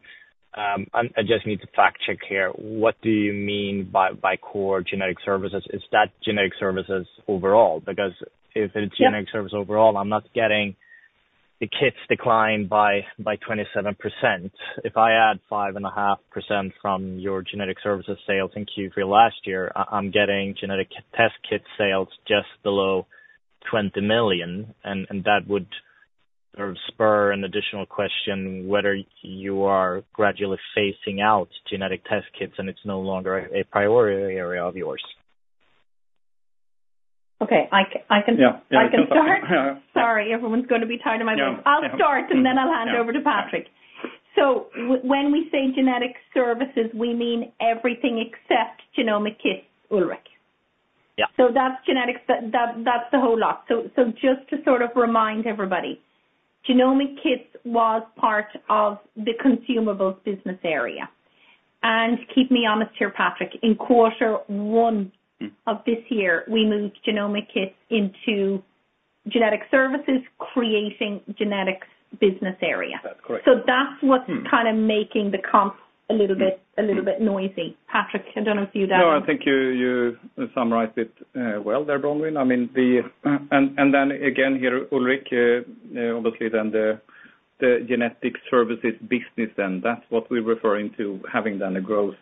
Speaker 6: I just need to fact-check here. What do you mean by core genetic services? Is that genetic services overall? Because if it's-
Speaker 3: Yeah...
Speaker 6: genetic services overall, I'm not getting the kits declined by 27%. If I add 5.5% from your genetic services sales in Q3 last year, I'm getting genetic test kit sales just below 20 million, and that would sort of spur an additional question, whether you are gradually phasing out genetic test kits, and it's no longer a priority area of yours.
Speaker 3: Okay.
Speaker 6: Yeah.
Speaker 3: I can start?
Speaker 6: Yeah.
Speaker 3: Sorry, everyone's going to be tired of my voice.
Speaker 6: Yeah.
Speaker 3: I'll start, and then I'll hand over to Patrik.
Speaker 6: Yeah.
Speaker 3: When we say genetic services, we mean everything except Genomic kits, Ulrik.
Speaker 6: Yeah.
Speaker 3: So that's Genetics, that's the whole lot. So just to sort of remind everybody, Genomic kits was part of the Consumables business area. And keep me honest here, Patrik, in quarter one-
Speaker 6: Mm ...
Speaker 3: of this year, we moved Genomic kits into genetic services, creating Genetics business area.
Speaker 6: That's correct.
Speaker 3: So that's what's-
Speaker 6: Mm...
Speaker 3: kind of making the comp a little bit-
Speaker 6: Mm...
Speaker 3: a little bit noisy. Patrik, I don't know if you'd add-
Speaker 2: No, I think you summarized it well there, Bronwyn. I mean, the. And then again, here, Ulrik, obviously, then the genetic services business, then that's what we're referring to, having done a growth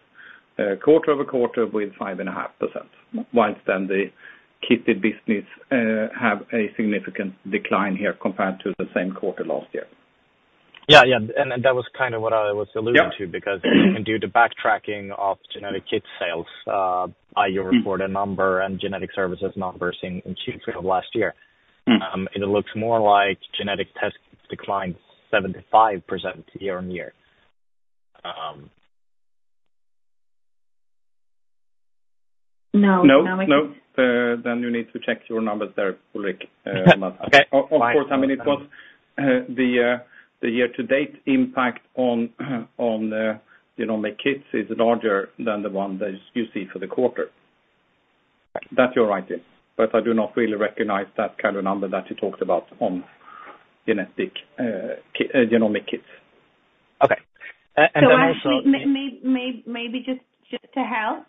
Speaker 2: quarter over quarter with 5.5%. Whilst then the kit business have a significant decline here compared to the same quarter last year....
Speaker 6: Yeah, yeah, and, and that was kind of what I was alluding to-
Speaker 2: Yeah.
Speaker 6: because due to backtracking of genetic kit sales, I reported a number and genetic services numbers in Q3 of last year.
Speaker 2: Mm.
Speaker 6: It looks more like genetic tests declined 75% year-on-year.
Speaker 3: No, no.
Speaker 2: No, then you need to check your numbers there, Ulrik.
Speaker 6: Okay.
Speaker 2: Of course, I mean, it was the year-to-date impact on the kits is larger than the one that you see for the quarter. That you're right in, but I do not really recognize that kind of number that you talked about on Genomic kits.
Speaker 6: Okay. And then also-
Speaker 3: Maybe just to help.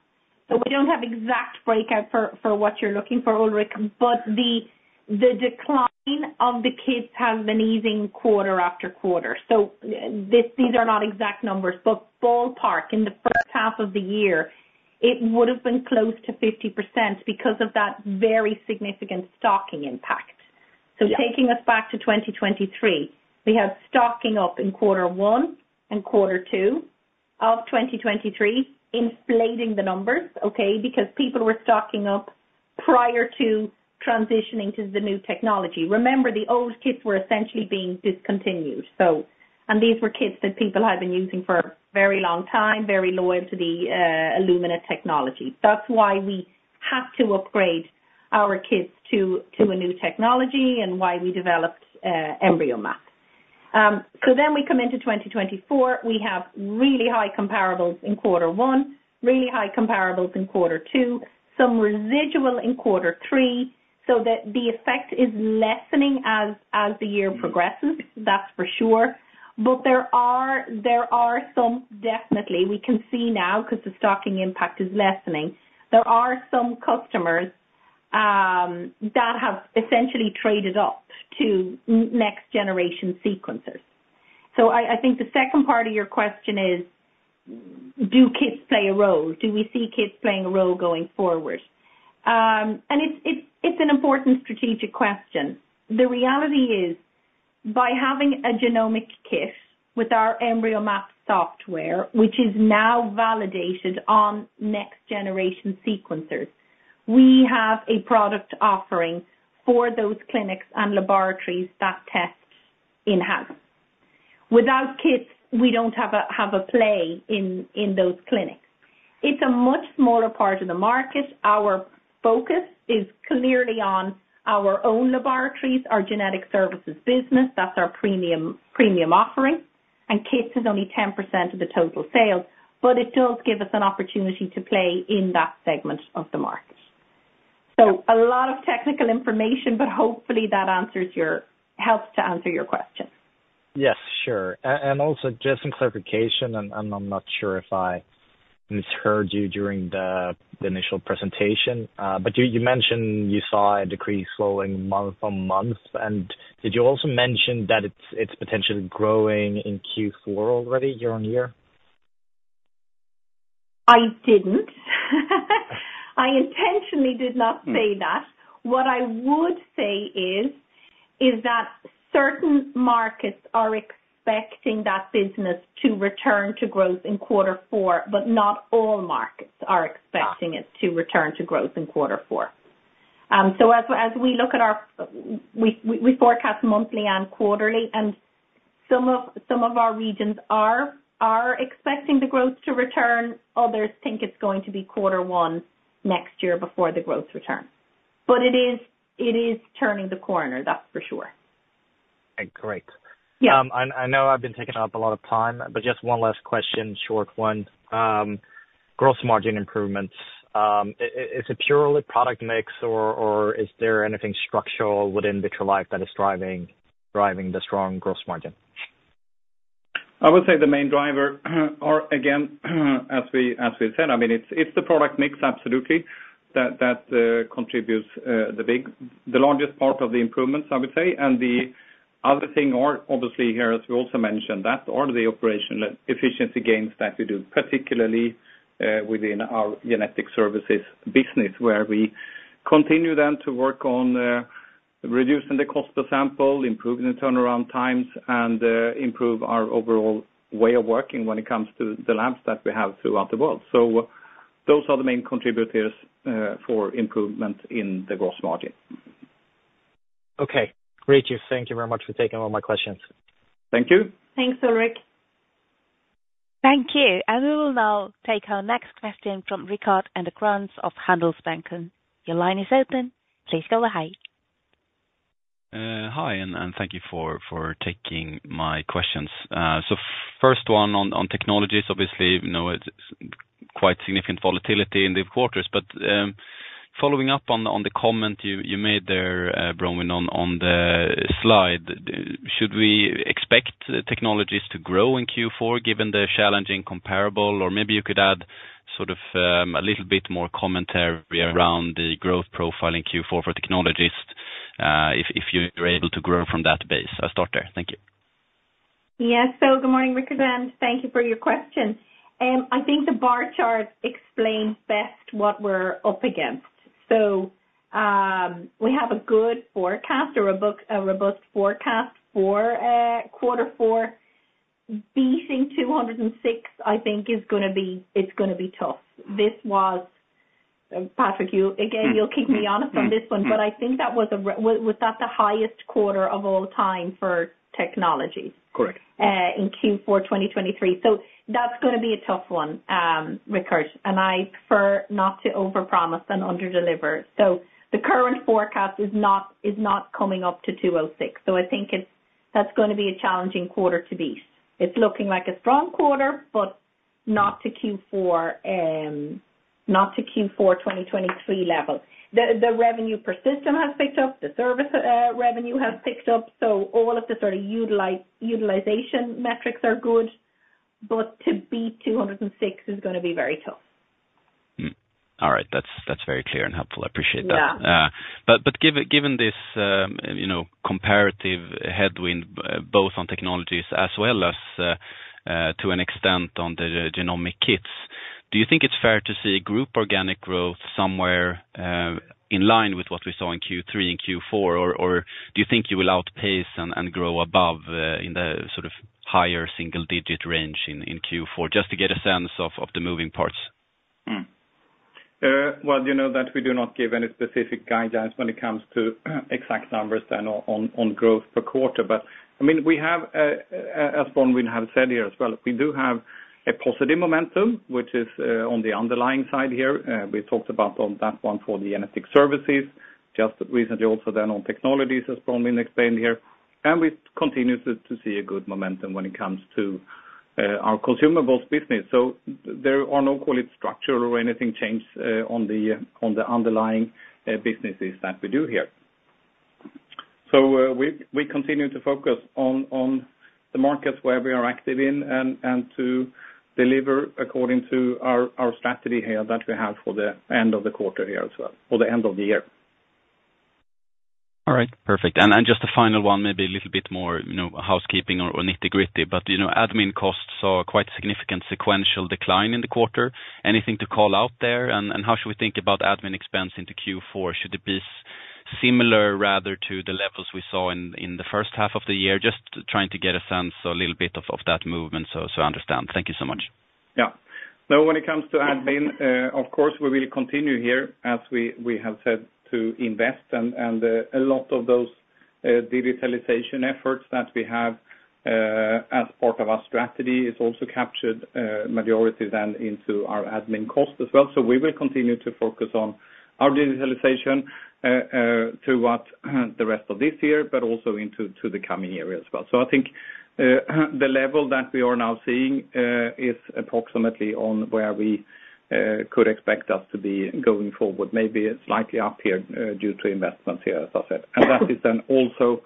Speaker 3: So we don't have exact breakout for what you're looking for, Ulrik, but the decline of the kits has been easing quarter after quarter. So these are not exact numbers, but ballpark, in the first half of the year, it would have been close to 50% because of that very significant stocking impact.
Speaker 6: Yeah.
Speaker 3: Taking us back to 2023, we have stocking up in quarter one and quarter two of 2023, inflating the numbers, okay? Because people were stocking up prior to transitioning to the new technology. Remember, the old kits were essentially being discontinued. And these were kits that people had been using for a very long time, very loyal to the Illumina technology. That's why we had to upgrade our kits to a new technology and why we developed EmbryoMap. So then we come into 2024. We have really high comparables in quarter one, really high comparables in quarter two, some residual in quarter three, so that the effect is lessening as the year progresses. That's for sure. But there are some definitely, we can see now, because the stocking impact is lessening, there are some customers that have essentially traded up to next generation sequencers. So I think the second part of your question is, do kits play a role? Do we see kits playing a role going forward? And it's an important strategic question. The reality is, by having a Genomic kit with our EmbryoMap software, which is now validated on next generation sequencers, we have a product offering for those clinics and laboratories that tests in-house. Without kits, we don't have a play in those clinics. It's a much smaller part of the market. Our focus is clearly on our own laboratories, our genetic services business, that's our premium offering. Kits is only 10% of the total sales, but it does give us an opportunity to play in that segment of the market. So a lot of technical information, but hopefully that answers your... helps to answer your question.
Speaker 6: Yes, sure. And also just some clarification, and I'm not sure if I misheard you during the initial presentation, but you mentioned you saw a decrease slowing month on month. And did you also mention that it's potentially growing in Q4 already year-on-year?
Speaker 3: I didn't. I intentionally did not say that.
Speaker 6: Mm.
Speaker 3: What I would say is that certain markets are expecting that business to return to growth in quarter four, but not all markets are expecting it.
Speaker 6: Ah.
Speaker 3: to return to growth in quarter four. So as we look at our... We forecast monthly and quarterly, and some of our regions are expecting the growth to return. Others think it's going to be quarter one next year before the growth returns. But it is turning the corner, that's for sure.
Speaker 6: Great.
Speaker 3: Yeah.
Speaker 6: And I know I've been taking up a lot of time, but just one last question, short one. Gross margin improvements, is it purely product mix, or is there anything structural within Vitrolife that is driving the strong gross margin?
Speaker 2: I would say the main driver, or again, as we said, I mean, it's the product mix absolutely that contributes the largest part of the improvements, I would say. And the other thing, obviously here, as we also mentioned, the operational efficiency gains that we do, particularly within our genetic services business, where we continue then to work on reducing the cost per sample, improving the turnaround times, and improve our overall way of working when it comes to the labs that we have throughout the world. So those are the main contributors for improvement in the gross margin.
Speaker 6: Okay. Great, chief. Thank you very much for taking all my questions.
Speaker 2: Thank you.
Speaker 3: Thanks, Ulrik.
Speaker 1: Thank you. And we will now take our next question from Rickard Anderkrans of Handelsbanken. Your line is open. Please go ahead.
Speaker 7: Hi, and thank you for taking my questions. First one on technologies, obviously, you know, it's quite significant volatility in the quarters, but following up on the comment you made there, Bronwyn, on the slide, should we expect the technologies to grow in Q4, given the challenging comparable? Or maybe you could add sort of a little bit more commentary around the growth profile in Q4 for Technologies, if you're able to grow from that base. I'll start there. Thank you.
Speaker 3: Yeah. So good morning, Rickard, and thank you for your question. I think the bar chart explains best what we're up against. So, we have a good forecast or a book, a robust forecast for quarter four. Beating 206, I think is gonna be - it's gonna be tough. This was, Patrik, you again, you'll keep me honest on this one, but I think that was - was that the highest quarter of all time for technology?
Speaker 2: Correct.
Speaker 3: In Q4, 2023. So that's gonna be a tough one, Rickard, and I prefer not to overpromise and underdeliver. So the current forecast is not coming up to 206. So I think that's gonna be a challenging quarter to beat. It's looking like a strong quarter, but not to Q4 2023 levels. The revenue per system has picked up, the service revenue has picked up, so all of the sort of utilization metrics are good, but to beat 206 is gonna be very tough.
Speaker 7: All right. That's very clear and helpful. I appreciate that.
Speaker 3: Yeah.
Speaker 7: But given this, you know, comparative headwind, both on technologies as well as, to an extent on the Genomic kits, do you think it's fair to say group organic growth somewhere in line with what we saw in Q3 and Q4? Or do you think you will outpace and grow above in the sort of higher single digit range in Q4? Just to get a sense of the moving parts.
Speaker 2: Well, you know that we do not give any specific guidance when it comes to exact numbers then on growth per quarter. But, I mean, we have, as Bronwyn have said here as well, we do have a positive momentum, which is on the underlying side here. We talked about on that one for the genetic services just recently, also then on technologies, as Bronwyn explained here. And we continue to see a good momentum when it comes to our consumables business. So there are no, call it, structural or anything change on the underlying businesses that we do here. We continue to focus on the markets where we are active in and to deliver according to our strategy here that we have for the end of the quarter here as well, for the end of the year.
Speaker 7: All right. Perfect. And, and just a final one, maybe a little bit more, you know, housekeeping or, or nitty-gritty, but, you know, admin costs saw a quite significant sequential decline in the quarter. Anything to call out there, and, and how should we think about admin expense into Q4? Should it be similar, rather, to the levels we saw in, in the first half of the year? Just trying to get a sense, a little bit of, of that movement, so, so I understand. Thank you so much.
Speaker 2: Yeah. So when it comes to admin, of course, we will continue here, as we have said, to invest. And a lot of those digitalization efforts that we have as part of our strategy is also captured majority then into our admin costs as well. So we will continue to focus on our digitalization throughout the rest of this year, but also into the coming year as well. So I think the level that we are now seeing is approximately on where we could expect us to be going forward. Maybe slightly up here due to investments here, as I said. And that is then also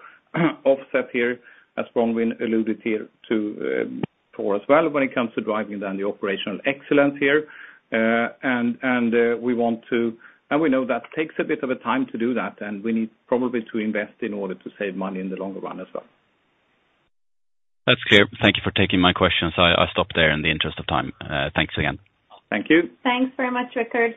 Speaker 2: offset here, as Bronwyn alluded here to, for as well, when it comes to driving down the operational excellence here. We want to, and we know that takes a bit of a time to do that, and we need probably to invest in order to save money in the longer run as well.
Speaker 7: That's clear. Thank you for taking my questions. I, I'll stop there in the interest of time. Thanks again.
Speaker 2: Thank you.
Speaker 3: Thanks very much, Rickard.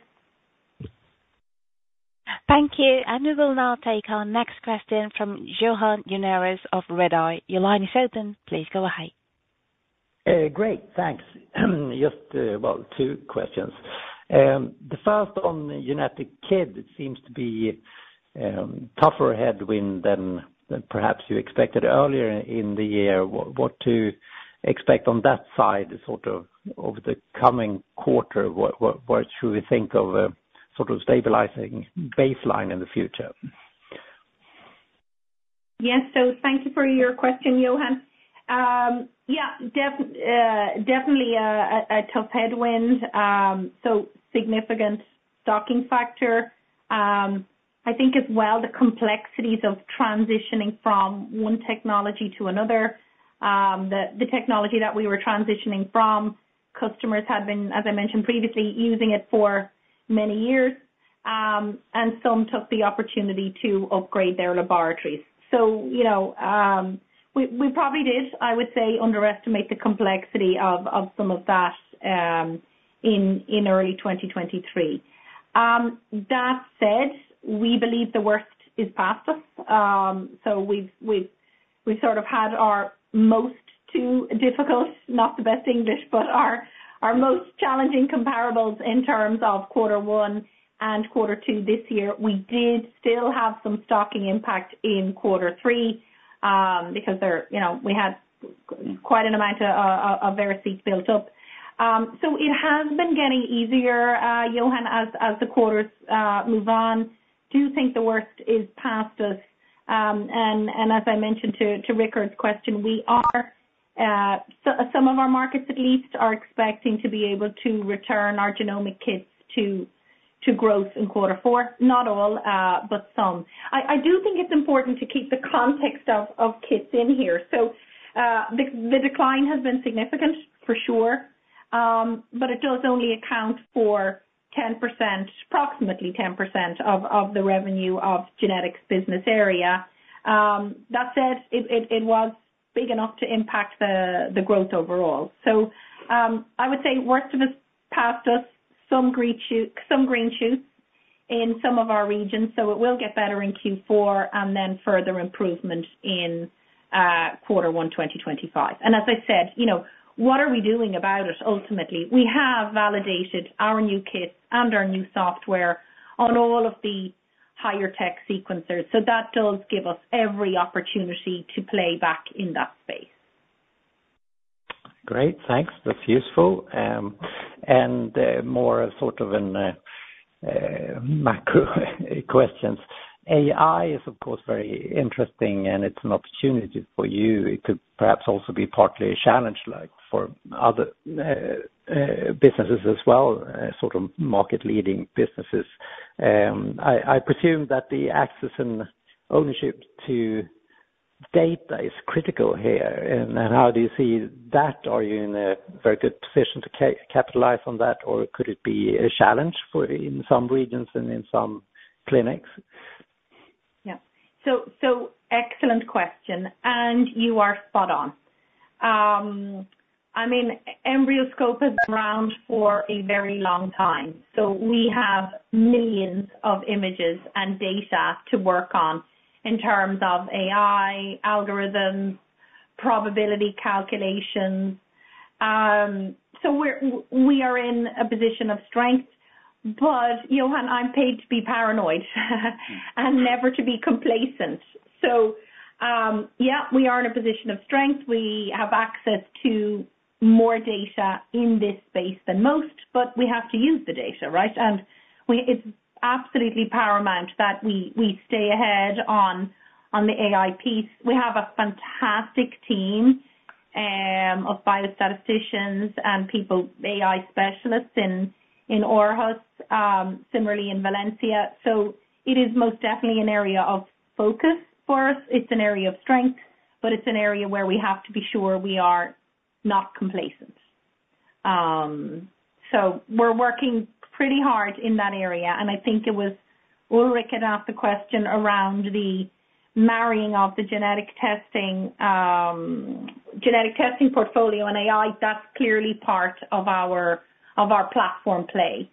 Speaker 1: Thank you, and we will now take our next question from Johan Unnérus of Redeye. Your line is open. Please go ahead.
Speaker 8: Great, thanks. Just, well, two questions. The first on Genomic kit, it seems to be tougher headwind than perhaps you expected earlier in the year. What to expect on that side, sort of, over the coming quarter? What should we think of, sort of stabilizing baseline in the future?
Speaker 3: Yes. So thank you for your question, Johan. Yeah, definitely a tough headwind. So significant stocking factor. I think as well, the complexities of transitioning from one technology to another. The technology that we were transitioning from, customers had been, as I mentioned previously, using it for many years. And some took the opportunity to upgrade their laboratories. So, you know, we probably did, I would say, underestimate the complexity of some of that in early 2023. That said, we believe the worst is past us. So we've sort of had our most two difficult, not the best English, but our most challenging comparables in terms of quarter one and quarter two this year. We did still have some stocking impact in quarter three, because there, you know, we had quite an amount of VeriSeq built up. So it has been getting easier, Johan, as the quarters move on. I do think the worst is past us, and as I mentioned to Rickard's question, we are, so some of our markets at least are expecting to be able to return our Genomic kits to growth in quarter four. Not all, but some. I do think it's important to keep the context of kits in here, so the decline has been significant, for sure, but it does only account for 10%, approximately 10% of the revenue of Genetics business area. That said, it was big enough to impact the growth overall. So, I would say worst is past us, some green shoots in some of our regions, so it will get better in Q4, and then further improvement in quarter one, 2025. And as I said, you know, what are we doing about it ultimately? We have validated our new kit and our new software on all of the higher tech sequencers, so that does give us every opportunity to play back in that space.
Speaker 8: Great, thanks. That's useful. More sort of a macro question. AI is, of course, very interesting, and it's an opportunity for you. It could perhaps also be partly a challenge, like for other businesses as well, sort of market-leading businesses. I presume that the access and ownership to data is critical here, and then how do you see that? Are you in a very good position to capitalize on that, or could it be a challenge for you in some regions and in some clinics?
Speaker 3: Yeah. So, so excellent question, and you are spot on. I mean, EmbryoScope is around for a very long time, so we have millions of images and data to work on in terms of AI, algorithms, probability calculations. So we're, we are in a position of strength, but Johan, I'm paid to be paranoid and never to be complacent. So, yeah, we are in a position of strength. We have access to more data in this space than most, but we have to use the data, right? And we. It's absolutely paramount that we stay ahead on the AI piece. We have a fantastic team of biostatisticians and people, AI specialists in Aarhus, similarly in Valencia. So it is most definitely an area of focus for us. It's an area of strength, but it's an area where we have to be sure we are not complacent. So we're working pretty hard in that area, and I think it was Ulrik that asked the question around the marrying of the genetic testing portfolio and AI. That's clearly part of our platform play.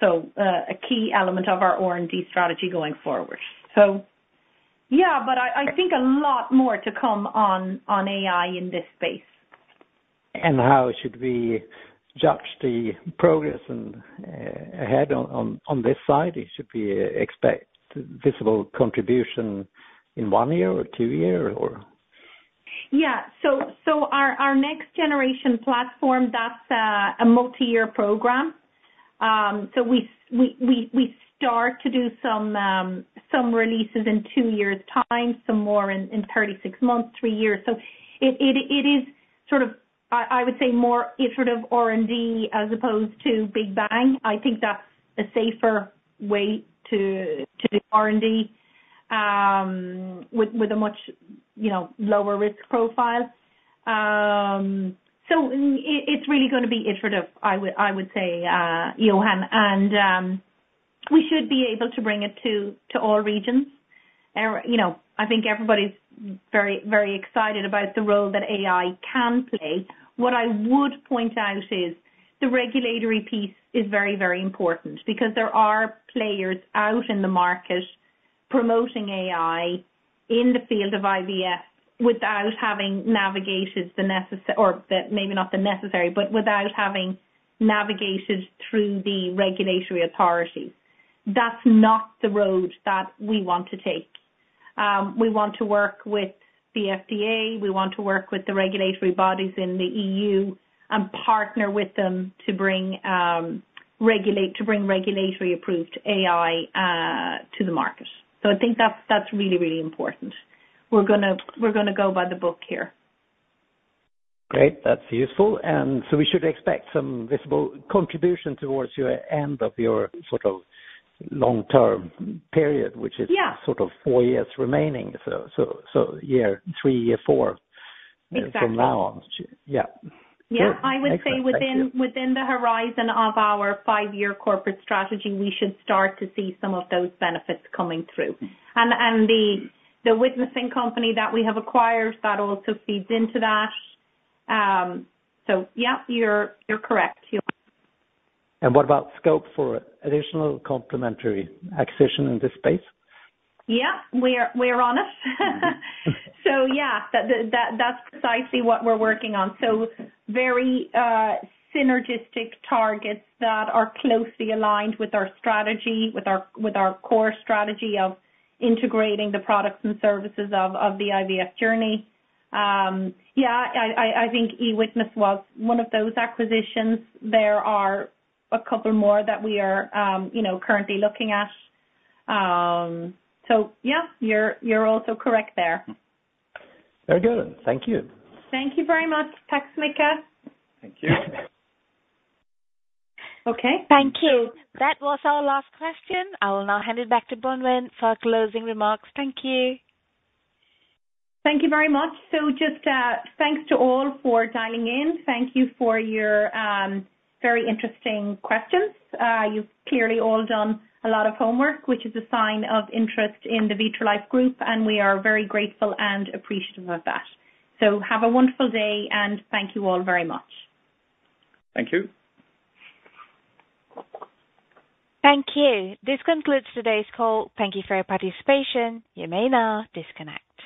Speaker 3: So a key element of our R&D strategy going forward. So yeah, but I think a lot more to come on AI in this space.
Speaker 8: And how should we judge the progress and ahead on this side? Should we expect visible contribution in one year or two year, or?
Speaker 3: Yeah. So our next generation platform, that's a multi-year program. So we start to do some releases in two years' time, some more in 36 months, three years. So it is sort of, I would say, more iterative R&D as opposed to big bang. I think that's a safer way to do R&D with a much, you know, lower risk profile. So it is really gonna be iterative, I would say, Johan, and we should be able to bring it to all regions. You know, I think everybody's very excited about the role that AI can play. What I would point out is the regulatory piece is very, very important because there are players out in the market promoting AI in the field of IVF without having navigated the necessary, but without having navigated through the regulatory authorities. That's not the road that we want to take. We want to work with the FDA, we want to work with the regulatory bodies in the EU and partner with them to bring regulatory approved AI to the market. So I think that's really, really important. We're gonna go by the book here.
Speaker 8: Great. That's useful. And so we should expect some visible contribution towards your end of your sort of long-term period-
Speaker 3: Yeah...
Speaker 8: which is sort of four years remaining, so year three, year four-
Speaker 3: Exactly...
Speaker 8: from now on. Yeah.
Speaker 3: Yeah.
Speaker 8: Great.
Speaker 3: I would say within the horizon of our five-year corporate strategy, we should start to see some of those benefits coming through. And the witnessing company that we have acquired, that also feeds into that. So yeah, you're correct.
Speaker 8: What about scope for additional complementary acquisition in this space?
Speaker 3: Yeah, we're on it. So, yeah, that's precisely what we're working on. So very synergistic targets that are closely aligned with our strategy, with our core strategy of integrating the products and services of the IVF journey. Yeah, I think eWitness was one of those acquisitions. There are a couple more that we are, you know, currently looking at. So yeah, you're also correct there.
Speaker 8: Very good. Thank you.
Speaker 3: Thank you very much, Mika.
Speaker 8: Thank you.
Speaker 3: Okay.
Speaker 1: Thank you. That was our last question. I will now hand it back to Bronwyn for closing remarks. Thank you.
Speaker 3: Thank you very much, so just, thanks to all for dialing in. Thank you for your, very interesting questions. You've clearly all done a lot of homework, which is a sign of interest in the Vitrolife Group, and we are very grateful and appreciative of that, so have a wonderful day, and thank you all very much.
Speaker 2: Thank you.
Speaker 1: Thank you. This concludes today's call. Thank you for your participation. You may now disconnect.